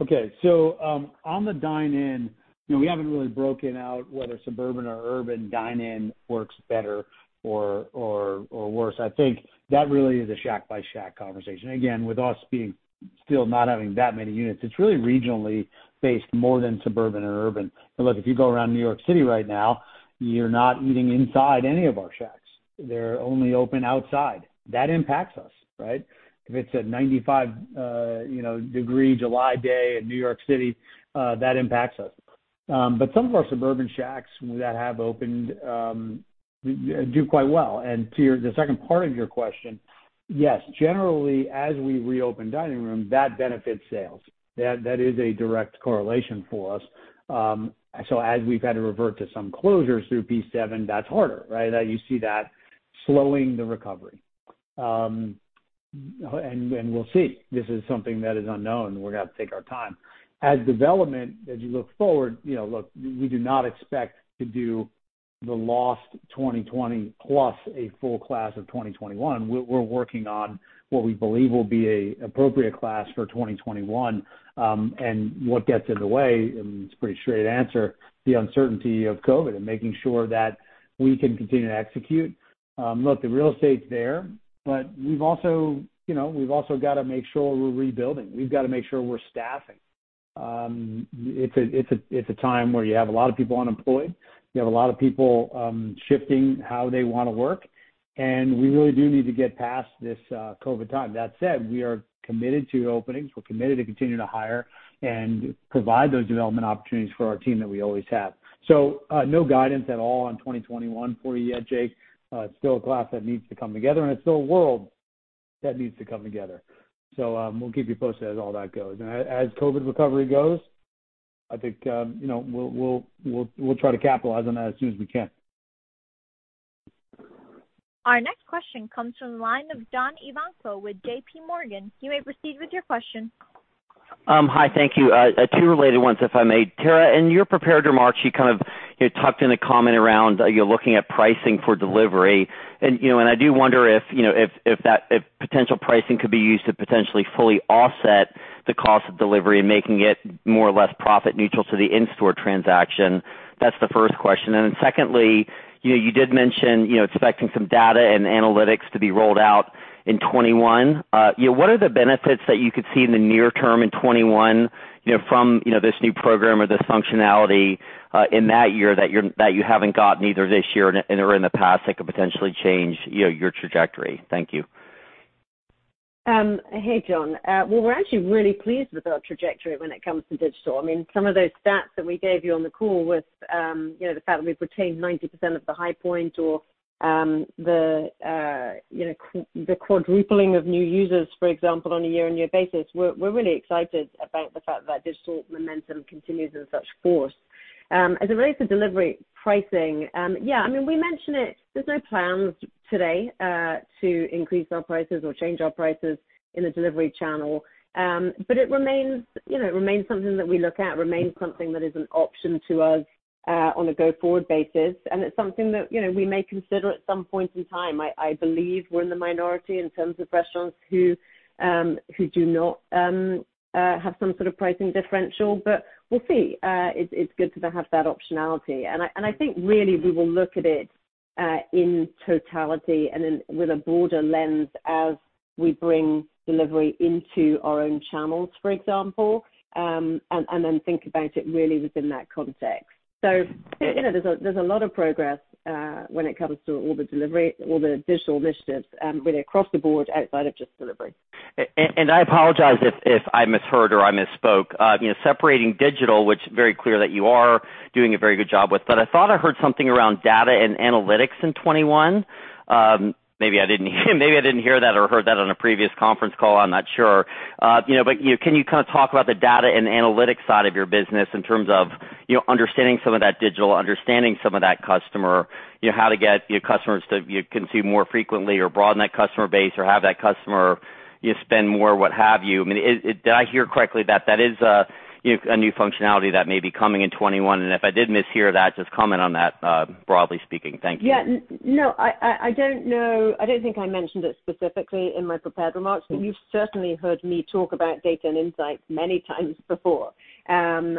Okay. On the dine-in, we haven't really broken out whether suburban or urban dine-in works better or worse. I think that really is a Shack-by-Shack conversation. Again, with us still not having that many units, it's really regionally based more than suburban or urban. Look, if you go around New York City right now, you're not eating inside any of our Shacks. They're only open outside. That impacts us, right? If it's a 95-degree July day in New York City, that impacts us. Some of our suburban Shacks that have opened do quite well. To the second part of your question, yes, generally, as we reopen dining room, that benefits sales. That is a direct correlation for us. As we've had to revert to some closures through P7, that's harder, right? You see that slowing the recovery. We'll see. This is something that is unknown. We're going to have to take our time. As development, as you look forward, look, we do not expect to do the lost 2020 plus a full class of 2021. We're working on what we believe will be a appropriate class for 2021. What gets in the way, and it's a pretty straight answer, the uncertainty of COVID and making sure that we can continue to execute. Look, the real estate's there, but we've also got to make sure we're rebuilding. We've got to make sure we're staffing. It's a time where you have a lot of people unemployed. You have a lot of people shifting how they want to work, and we really do need to get past this COVID time. That said, we are committed to openings. We're committed to continue to hire and provide those development opportunities for our team that we always have. No guidance at all on 2021 for you yet, Jake. It's still a class that needs to come together, and it's still a world that needs to come together. We'll keep you posted as all that goes. As COVID recovery goes, I think we'll try to capitalize on that as soon as we can. Our next question comes from the line of John Ivankoe with J.P. Morgan. You may proceed with your question. Hi, thank you. Two related ones, if I may. Tara, in your prepared remarks, you kind of tucked in a comment around you're looking at pricing for delivery. I do wonder if potential pricing could be used to potentially fully offset the cost of delivery and making it more or less profit neutral to the in-store transaction. That's the first question. Secondly, you did mention expecting some data and analytics to be rolled out in 2021. What are the benefits that you could see in the near term in 2021 from this new program or this functionality, in that year that you haven't gotten either this year or in the past that could potentially change your trajectory? Thank you. Hey, John. Well, we're actually really pleased with our trajectory when it comes to digital. Some of those stats that we gave you on the call with the fact that we've retained 90% of the high point or the quadrupling of new users, for example, on a year-on-year basis. We're really excited about the fact that digital momentum continues at such force. As it relates to delivery pricing, yeah, we mentioned it. There's no plans today to increase our prices or change our prices in the delivery channel. It remains something that we look at, remains something that is an option to us on a go-forward basis, and it's something that we may consider at some point in time. I believe we're in the minority in terms of restaurants who do not have some sort of pricing differential. We'll see. It's good to have that optionality. I think really we will look at it in totality and then with a broader lens as we bring delivery into our own channels, for example, and then think about it really within that context. There's a lot of progress when it comes to all the digital initiatives, really across the board outside of just delivery. I apologize if I misheard or I misspoke. Separating digital, which very clear that you are doing a very good job with, but I thought I heard something around data and analytics in 2021. Maybe I didn't hear that or heard that on a previous conference call. I'm not sure. Can you kind of talk about the data and analytics side of your business in terms of understanding some of that digital, understanding some of that customer, how to get your customers to consume more frequently or broaden that customer base or have that customer spend more, what have you? Did I hear correctly that that is a new functionality that may be coming in 2021? If I did mishear that, just comment on that, broadly speaking. Thank you. Yeah. No, I don't think I mentioned it specifically in my prepared remarks, but you've certainly heard me talk about data and insights many times before. I'm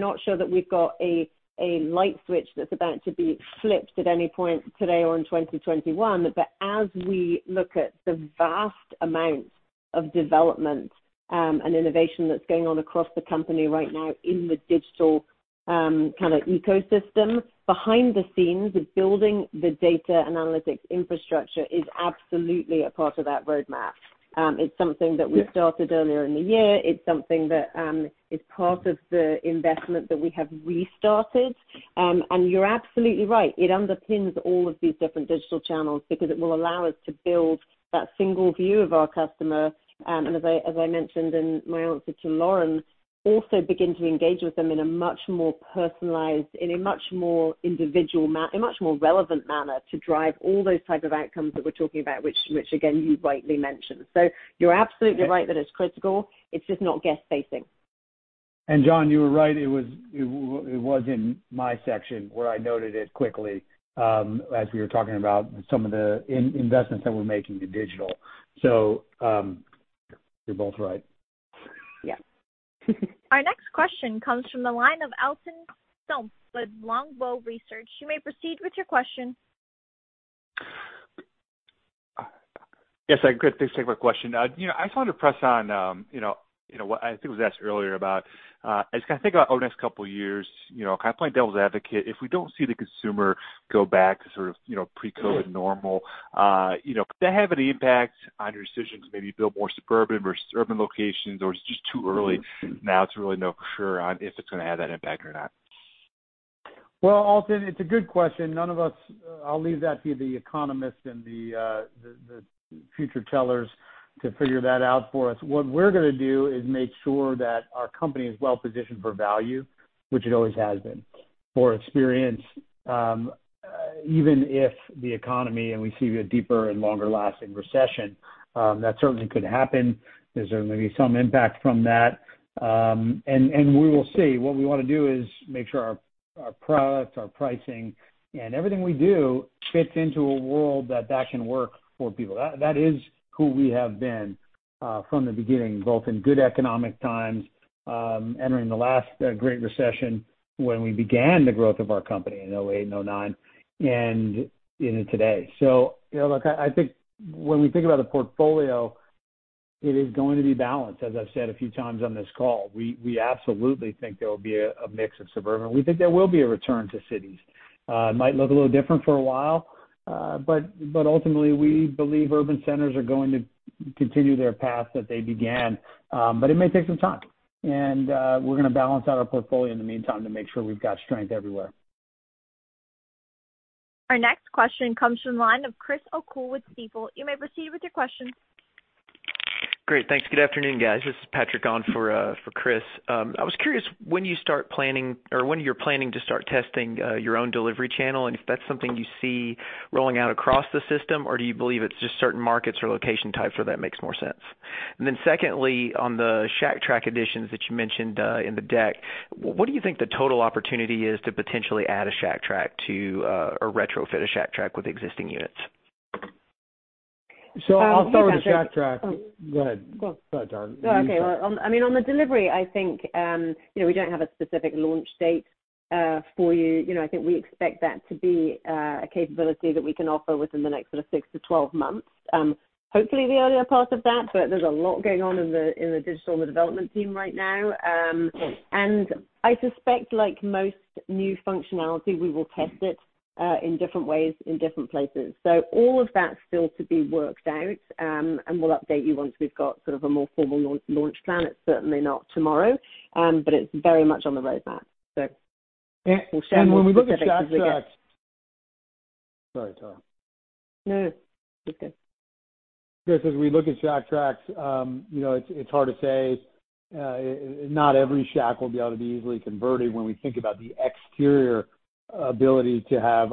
not sure that we've got a light switch that's about to be flipped at any point today or in 2021. As we look at the vast amount of development and innovation that's going on across the company right now in the digital kind of ecosystem behind the scenes of building the data and analytics infrastructure is absolutely a part of that roadmap. It's something that we started earlier in the year. It's something that is part of the investment that we have restarted. You're absolutely right. It underpins all of these different digital channels because it will allow us to build that single view of our customer, and as I mentioned in my answer to Lauren, also begin to engage with them in a much more personalized, in a much more individual, a much more relevant manner to drive all those type of outcomes that we're talking about, which again, you rightly mentioned. You're absolutely right that it's critical. It's just not guest-facing. John, you were right. It was in my section where I noted it quickly, as we were talking about some of the investments that we're making to digital. You're both right. Yeah. Our next question comes from the line of Alton Stump with Longbow Research. You may proceed with your question. Yes. Great. Thanks for taking my question. I just wanted to press on what I think was asked earlier about, as I think about over the next couple of years, kind of playing devil's advocate, if we don't see the consumer go back to sort of pre-COVID normal, could that have any impact on your decisions, maybe build more suburban versus urban locations, or it's just too early now to really know for sure on if it's going to have that impact or not? Well, Alton, it's a good question. I'll leave that to the economists and the future tellers to figure that out for us. What we're going to do is make sure that our company is well-positioned for value, which it always has been, for experience, even if the economy, and we see a deeper and longer-lasting recession, that certainly could happen. There's going to be some impact from that. We will see. What we want to do is make sure our products, our pricing, and everything we do fits into a world that can work for people. That is who we have been from the beginning, both in good economic times, entering the last great recession when we began the growth of our company in 2008 and 2009, and into today. Look, I think when we think about the portfolio, it is going to be balanced. As I've said a few times on this call, we absolutely think there will be a mix of suburban. We think there will be a return to cities. It might look a little different for a while. Ultimately, we believe urban centers are going to continue their path that they began. It may take some time, and we're going to balance out our portfolio in the meantime to make sure we've got strength everywhere. Our next question comes from the line of Chris O'Cull with Stifel. You may proceed with your question. Great. Thanks. Good afternoon, guys. This is Patrick on for Chris. I was curious when you're planning to start testing your own delivery channel, and if that's something you see rolling out across the system, or do you believe it's just certain markets or location types where that makes more sense? Secondly, on the Shack Track additions that you mentioned in the deck, what do you think the total opportunity is to potentially add a Shack Track to or retrofit a Shack Track with existing units? I'll start with Shack Track. Go ahead. Go on. Go ahead, Tara. You start. Okay. On the delivery, I think, we don't have a specific launch date for you. I think we expect that to be a capability that we can offer within the next six to 12 months. Hopefully, the earlier part of that, but there's a lot going on in the digital development team right now. I suspect like most new functionality, we will test it in different ways in different places. All of that's still to be worked out, and we'll update you once we've got a more formal launch plan. It's certainly not tomorrow, but it's very much on the roadmap. We'll share more specifically as we get- When we look at Shack Tracks. Sorry, Tara. No, it's okay. Chris, as we look at Shack Track, it's hard to say. Not every Shack will be able to be easily converted when we think about the exterior ability to have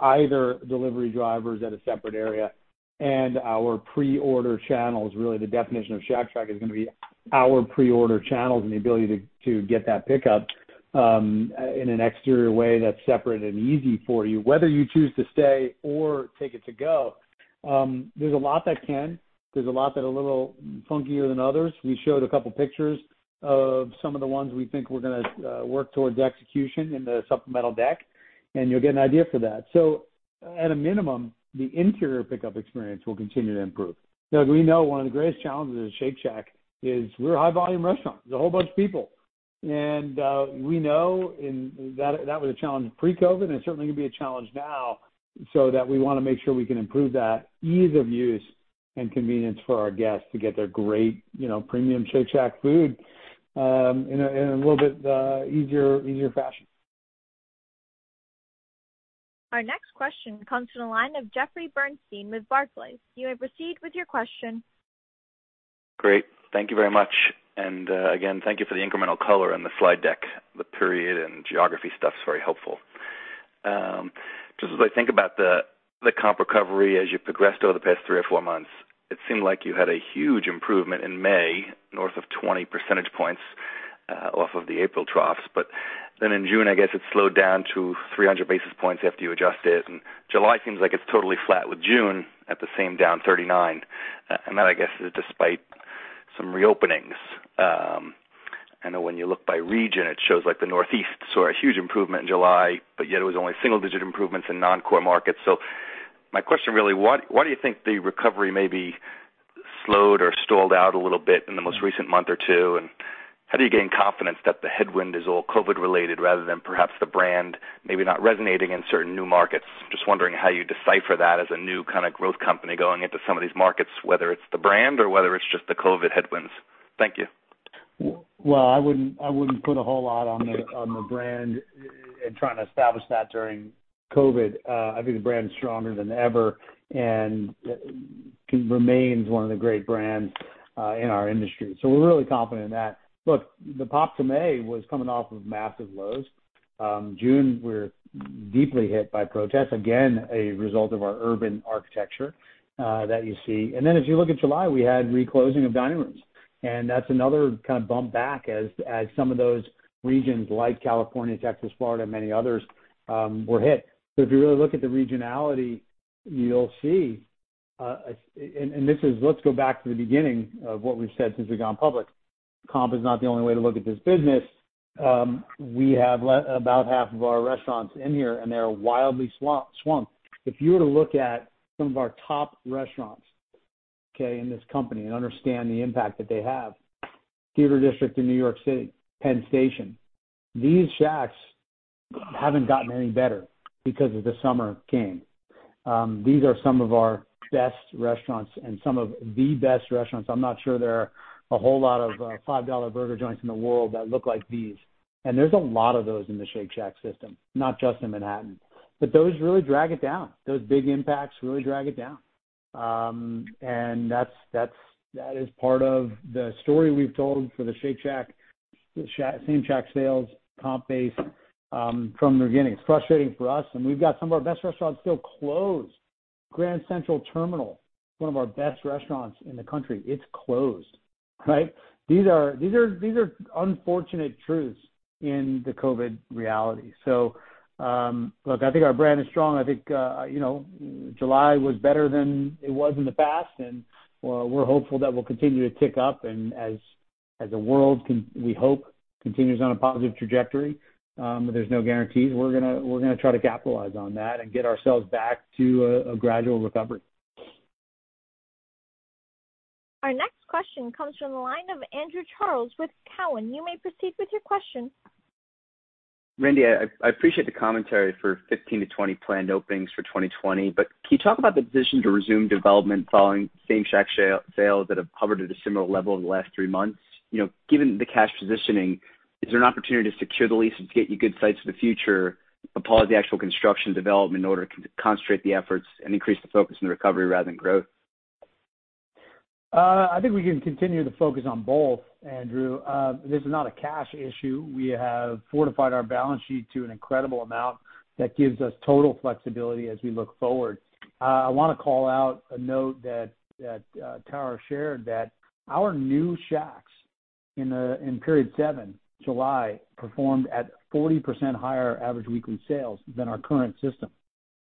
either delivery drivers at a separate area and our pre-order channels. Really, the definition of Shack Track is going to be our pre-order channels and the ability to get that pickup in an exterior way that's separate and easy for you, whether you choose to stay or take it to go. There's a lot that can. There's a lot that are a little funkier than others. We showed a couple pictures of some of the ones we think we're going to work towards execution in the supplemental deck, and you'll get an idea for that. At a minimum, the interior pickup experience will continue to improve. Because we know one of the greatest challenges at Shake Shack is we're a high-volume restaurant. There's a whole bunch of people, and we know that was a challenge pre-COVID, and it's certainly going to be a challenge now, so that we want to make sure we can improve that ease of use and convenience for our guests to get their great premium Shake Shack food in a little bit easier fashion. Our next question comes from the line of Jeffrey Bernstein with Barclays. You may proceed with your question. Great. Thank you very much. Again, thank you for the incremental color in the slide deck. The period and geography stuff is very helpful. Just as I think about the comp recovery as you progressed over the past three or four months, it seemed like you had a huge improvement in May, north of 20 percentage points off of the April troughs. In June, I guess it slowed down to 300 basis points after you adjusted, July seems like it's totally flat with June at the same down 39. That, I guess, is despite some reopenings. I know when you look by region, it shows like the Northeast saw a huge improvement in July, it was only single-digit improvements in non-core markets. My question really, why do you think the recovery maybe slowed or stalled out a little bit in the most recent month or two, and how do you gain confidence that the headwind is all COVID related rather than perhaps the brand maybe not resonating in certain new markets? Just wondering how you decipher that as a new kind of growth company going into some of these markets, whether it's the brand or whether it's just the COVID headwinds. Thank you. Well, I wouldn't put a whole lot on the brand and trying to establish that during COVID-19. I think the brand is stronger than ever and remains one of the great brands in our industry. We're really confident in that. Look, the pop to May was coming off of massive lows. June, we were deeply hit by protests. Again, a result of our urban architecture that you see. As you look at July, we had reclosing of dining rooms, and that's another kind of bump back as some of those regions like California, Texas, Florida, and many others were hit. If you really look at the regionality, you'll see, let's go back to the beginning of what we've said since we've gone public. Comp is not the only way to look at this business. We have about half of our restaurants in here, and they are wildly swamped. If you were to look at some of our top restaurants, okay, in this company and understand the impact that they have, Theater District in New York City, Penn Station, these Shacks haven't gotten any better because of the summer came. These are some of our best restaurants and some of the best restaurants. I'm not sure there are a whole lot of $5 burger joints in the world that look like these. There's a lot of those in the Shake Shack system, not just in Manhattan. Those really drag it down. Those big impacts really drag it down. That is part of the story we've told for the Shake Shack same Shack sales, comp base from the beginning. It's frustrating for us, and we've got some of our best restaurants still closed. Grand Central Terminal, one of our best restaurants in the country, it's closed, right? These are unfortunate truths in the COVID-19 reality. Look, I think our brand is strong. I think July was better than it was in the past, and we're hopeful that we'll continue to tick up and as the world, we hope, continues on a positive trajectory. There's no guarantees. We're going to try to capitalize on that and get ourselves back to a gradual recovery. Our next question comes from the line of Andrew Charles with Cowen. You may proceed with your question. Randy, I appreciate the commentary for 15-20 planned openings for 2020, can you talk about the decision to resume development following same Shack sales that have hovered at a similar level over the last three months? Given the cash positioning, is there an opportunity to secure the leases to get you good sites for the future, pause the actual construction development in order to concentrate the efforts and increase the focus on the recovery rather than growth? I think we can continue to focus on both, Andrew. This is not a cash issue. We have fortified our balance sheet to an incredible amount that gives us total flexibility as we look forward. I want to call out a note that Tara shared that our new Shacks in period seven, July performed at 40% higher average weekly sales than our current system.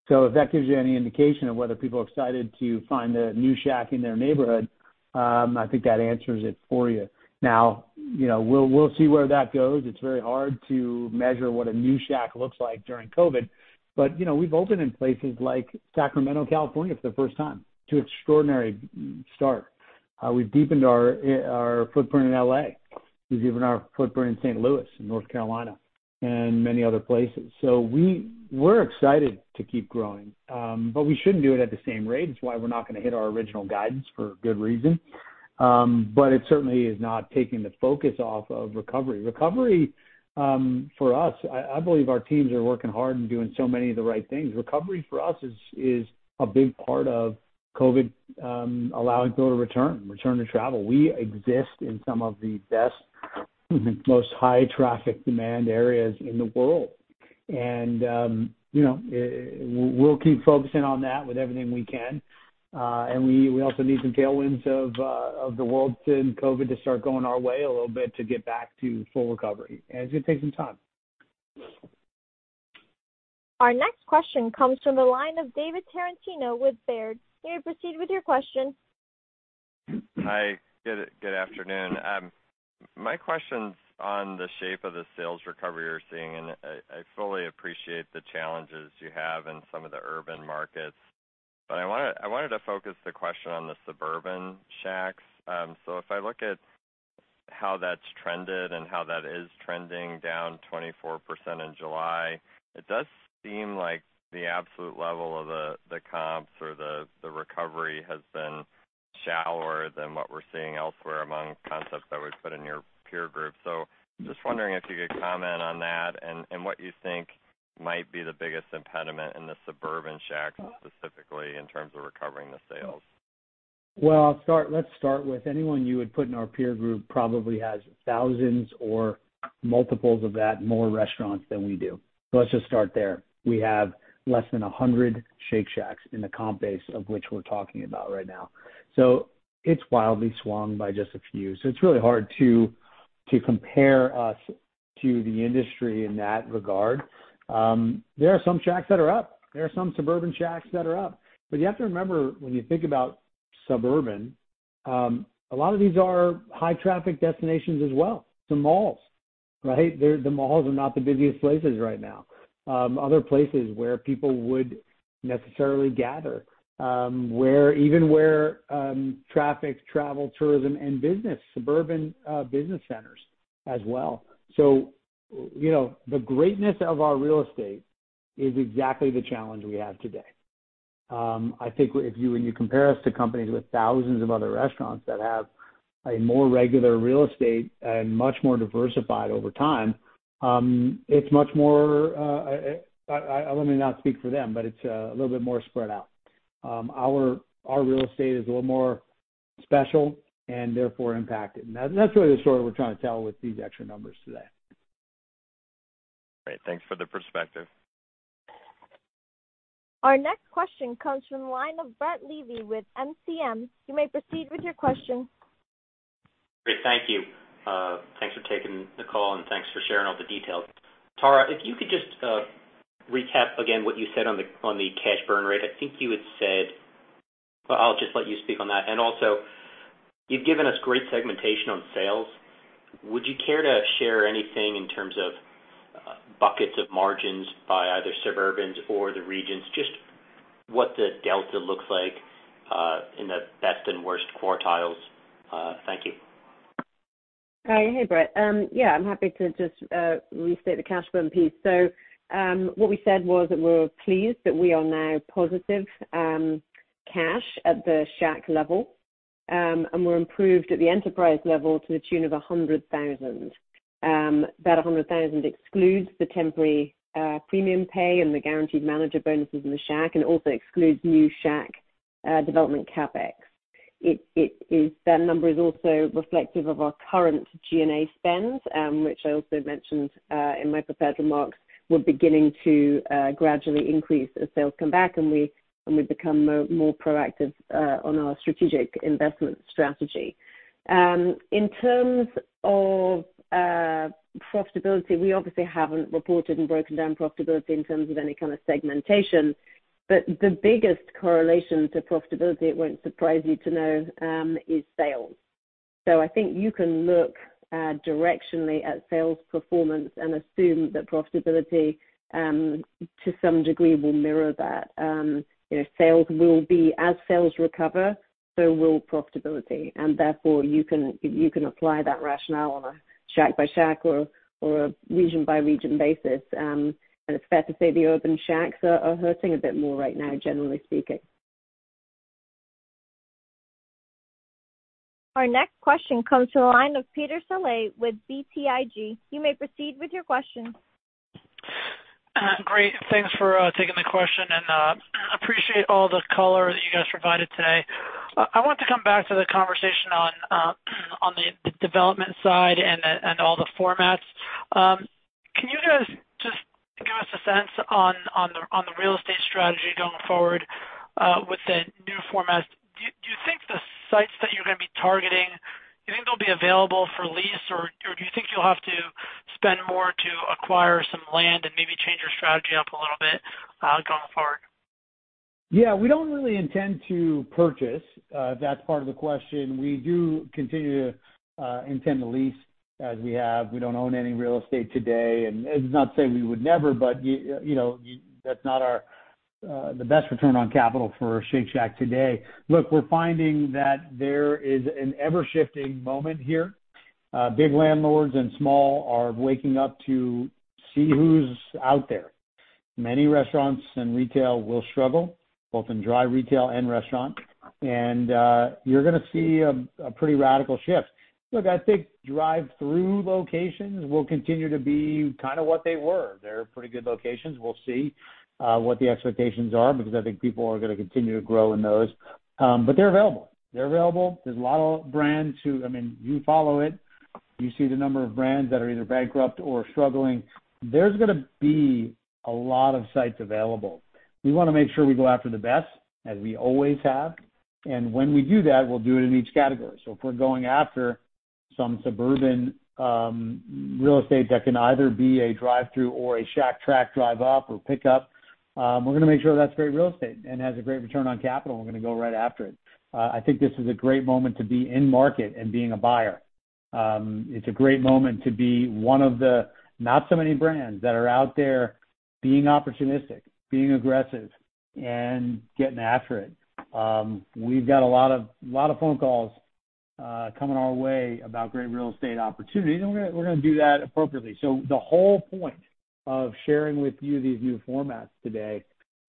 If that gives you any indication of whether people are excited to find a new Shack in their neighborhood, I think that answers it for you. Now, we'll see where that goes. It's very hard to measure what a new Shack looks like during COVID, but we've opened in places like Sacramento, California, for the first time to extraordinary start. We've deepened our footprint in L.A. We've deepened our footprint in St. Louis and North Carolina and many other places. We're excited to keep growing. We shouldn't do it at the same rate. It's why we're not going to hit our original guidance for good reason. It certainly is not taking the focus off of recovery. Recovery, for us, I believe our teams are working hard and doing so many of the right things. Recovery for us is a big part of COVID allowing people to return to travel. We exist in some of the best, most high-traffic demand areas in the world. We'll keep focusing on that with everything we can. We also need some tailwinds of the world and COVID to start going our way a little bit to get back to full recovery, and it's going to take some time. Our next question comes from the line of David Tarantino with Baird. You may proceed with your question. Hi, good afternoon. My question's on the shape of the sales recovery you're seeing, and I fully appreciate the challenges you have in some of the urban markets, but I wanted to focus the question on the suburban Shacks. If I look at how that's trended and how that is trending down 24% in July, it does seem like the absolute level of the comps or the recovery has been shallower than what we're seeing elsewhere among concepts that we put in your peer group. Just wondering if you could comment on that and what you think might be the biggest impediment in the suburban Shacks, specifically in terms of recovering the sales. Let's start with anyone you would put in our peer group probably has thousands or multiples of that, more restaurants than we do. Let's just start there. We have less than 100 Shake Shacks in the comp base of which we're talking about right now. It's wildly swung by just a few. It's really hard to compare us to the industry in that regard. There are some Shacks that are up. There are some suburban Shacks that are up. You have to remember, when you think about suburban, a lot of these are high-traffic destinations as well. The malls. The malls are not the busiest places right now. Other places where people would necessarily gather. Even where traffic, travel, tourism, and business, suburban business centers as well. The greatness of our real estate is exactly the challenge we have today. I think if you compare us to companies with thousands of other restaurants that have a more regular real estate and much more diversified over time, it's much more, let me not speak for them, but it's a little bit more spread out. Our real estate is a little more special and therefore impacted, and that's really the story we're trying to tell with these extra numbers today. Great. Thanks for the perspective. Our next question comes from the line of Brett Levy with MKM. You may proceed with your question. Great. Thank you. Thanks for taking the call and thanks for sharing all the details. Tara, if you could just recap again what you said on the cash burn rate. I'll just let you speak on that. Also, you've given us great segmentation on sales. Would you care to share anything in terms of buckets of margins by either suburbans or the regions? Just what the delta looks like in the best and worst quartiles. Thank you. Hey, Brett. Yeah, I'm happy to just restate the cash burn piece. What we said was that we're pleased that we are now positive cash at the Shack level, and we're improved at the enterprise level to the tune of $100,000. That $100,000 excludes the temporary premium pay and the guaranteed manager bonuses in the Shack, and it also excludes new Shack development CapEx. That number is also reflective of our current G&A spend, which I also mentioned in my prepared remarks, we're beginning to gradually increase as sales come back and we become more proactive on our strategic investment strategy. In terms of profitability, we obviously haven't reported and broken down profitability in terms of any kind of segmentation, the biggest correlation to profitability, it won't surprise you to know, is sales. I think you can look directionally at sales performance and assume that profitability, to some degree, will mirror that. As sales recover, so will profitability, and therefore, you can apply that rationale on a Shack-by-Shack or a region-by-region basis. It's fair to say the urban Shacks are hurting a bit more right now, generally speaking. Our next question comes from the line of Peter Saleh with BTIG. You may proceed with your question. Great. Thanks for taking the question and appreciate all the color that you guys provided today. I want to come back to the conversation on the development side and all the formats. On the real estate strategy going forward with the new formats, do you think the sites that you're going to be targeting, do you think they'll be available for lease, or do you think you'll have to spend more to acquire some land and maybe change your strategy up a little bit going forward? Yeah. We don't really intend to purchase. If that's part of the question. We do continue to intend to lease as we have. We don't own any real estate today. That's not to say we would never, but that's not the best return on capital for Shake Shack today. Look, we're finding that there is an ever-shifting moment here. Big landlords and small are waking up to see who's out there. Many restaurants and retail will struggle, both in dry retail and restaurant. You're going to see a pretty radical shift. Look, I think drive-through locations will continue to be kind of what they were. They're pretty good locations. We'll see what the expectations are because I think people are going to continue to grow in those. They're available. They're available. There's a lot of brands. You follow it. You see the number of brands that are either bankrupt or struggling. There's going to be a lot of sites available. We want to make sure we go after the best, as we always have. When we do that, we'll do it in each category. If we're going after some suburban real estate that can either be a drive-through or a Shack Track drive-up or pick-up, we're going to make sure that's great real estate and has a great return on capital, and we're going to go right after it. I think this is a great moment to be in market and being a buyer. It's a great moment to be one of the not so many brands that are out there being opportunistic, being aggressive, and getting after it. We've got a lot of phone calls coming our way about great real estate opportunities. We're going to do that appropriately. The whole point of sharing with you these new formats today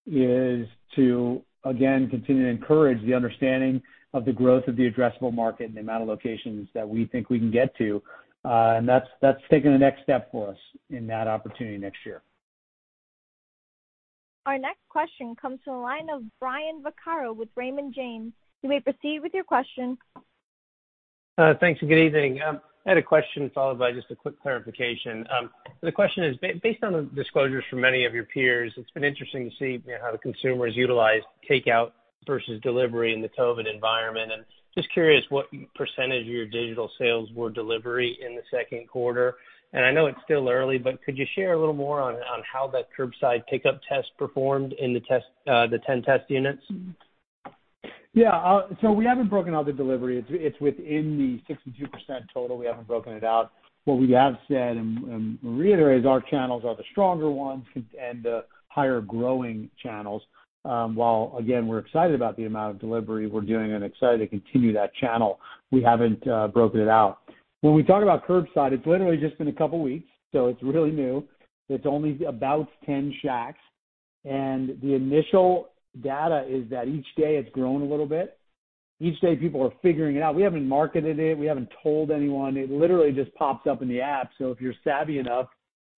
is to, again, continue to encourage the understanding of the growth of the addressable market and the amount of locations that we think we can get to. That's taking the next step for us in that opportunity next year. Our next question comes from the line of Brian Vaccaro with Raymond James. You may proceed with your question. Thanks, good evening. I had a question followed by just a quick clarification. The question is, based on the disclosures from many of your peers, it's been interesting to see how the consumer has utilized takeout versus delivery in the COVID environment. Just curious what percentage of your digital sales were delivery in the second quarter. I know it's still early, but could you share a little more on how that curbside pickup test performed in the 10 test units? Yeah. We haven't broken out the delivery. It's within the 62% total. We haven't broken it out. What we have said and reiterate is our channels are the stronger ones and the higher growing channels. While, again, we're excited about the amount of delivery we're doing and excited to continue that channel, we haven't broken it out. When we talk about curbside, it's literally just been a couple of weeks, so it's really new. It's only about 10 Shacks, and the initial data is that each day it's grown a little bit. Each day people are figuring it out. We haven't marketed it. We haven't told anyone. It literally just pops up in the app. If you're savvy enough,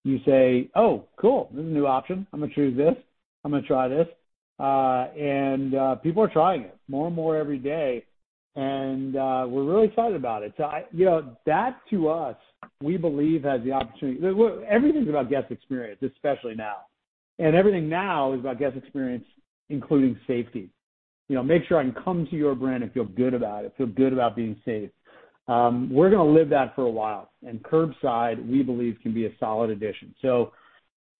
you say, "Oh, cool. This is a new option. I'm going to choose this. I'm going to try this." People are trying it more and more every day, and we're really excited about it. That to us, we believe has the opportunity. Everything is about guest experience, especially now. Everything now is about guest experience, including safety. Make sure I can come to your brand and feel good about it, feel good about being safe. We're going to live that for a while. Curbside, we believe, can be a solid addition. We're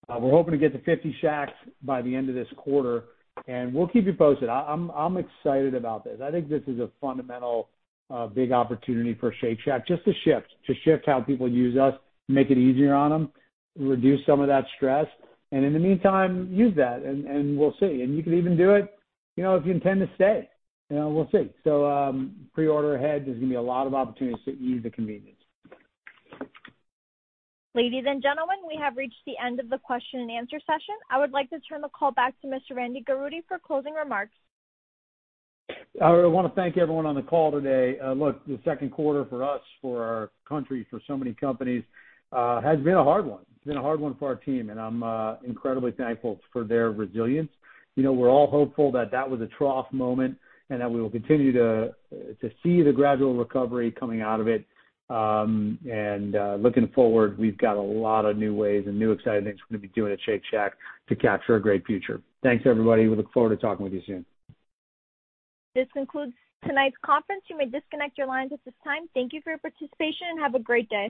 hoping to get to 50 Shacks by the end of this quarter, and we'll keep you posted. I'm excited about this. I think this is a fundamental big opportunity for Shake Shack just to shift how people use us, make it easier on them, reduce some of that stress, and in the meantime, use that, and we'll see. You can even do it if you intend to stay. We'll see. Pre-order ahead. There's going to be a lot of opportunities to ease the convenience. Ladies and gentlemen, we have reached the end of the question and answer session. I would like to turn the call back to Mr. Randy Garutti for closing remarks. I want to thank everyone on the call today. Look, the second quarter for us, for our country, for so many companies, has been a hard one. It's been a hard one for our team, and I'm incredibly thankful for their resilience. We're all hopeful that that was a trough moment and that we will continue to see the gradual recovery coming out of it. Looking forward, we've got a lot of new ways and new exciting things we're going to be doing at Shake Shack to capture a great future. Thanks, everybody. We look forward to talking with you soon. This concludes tonight's conference. You may disconnect your lines at this time. Thank you for your participation, and have a great day.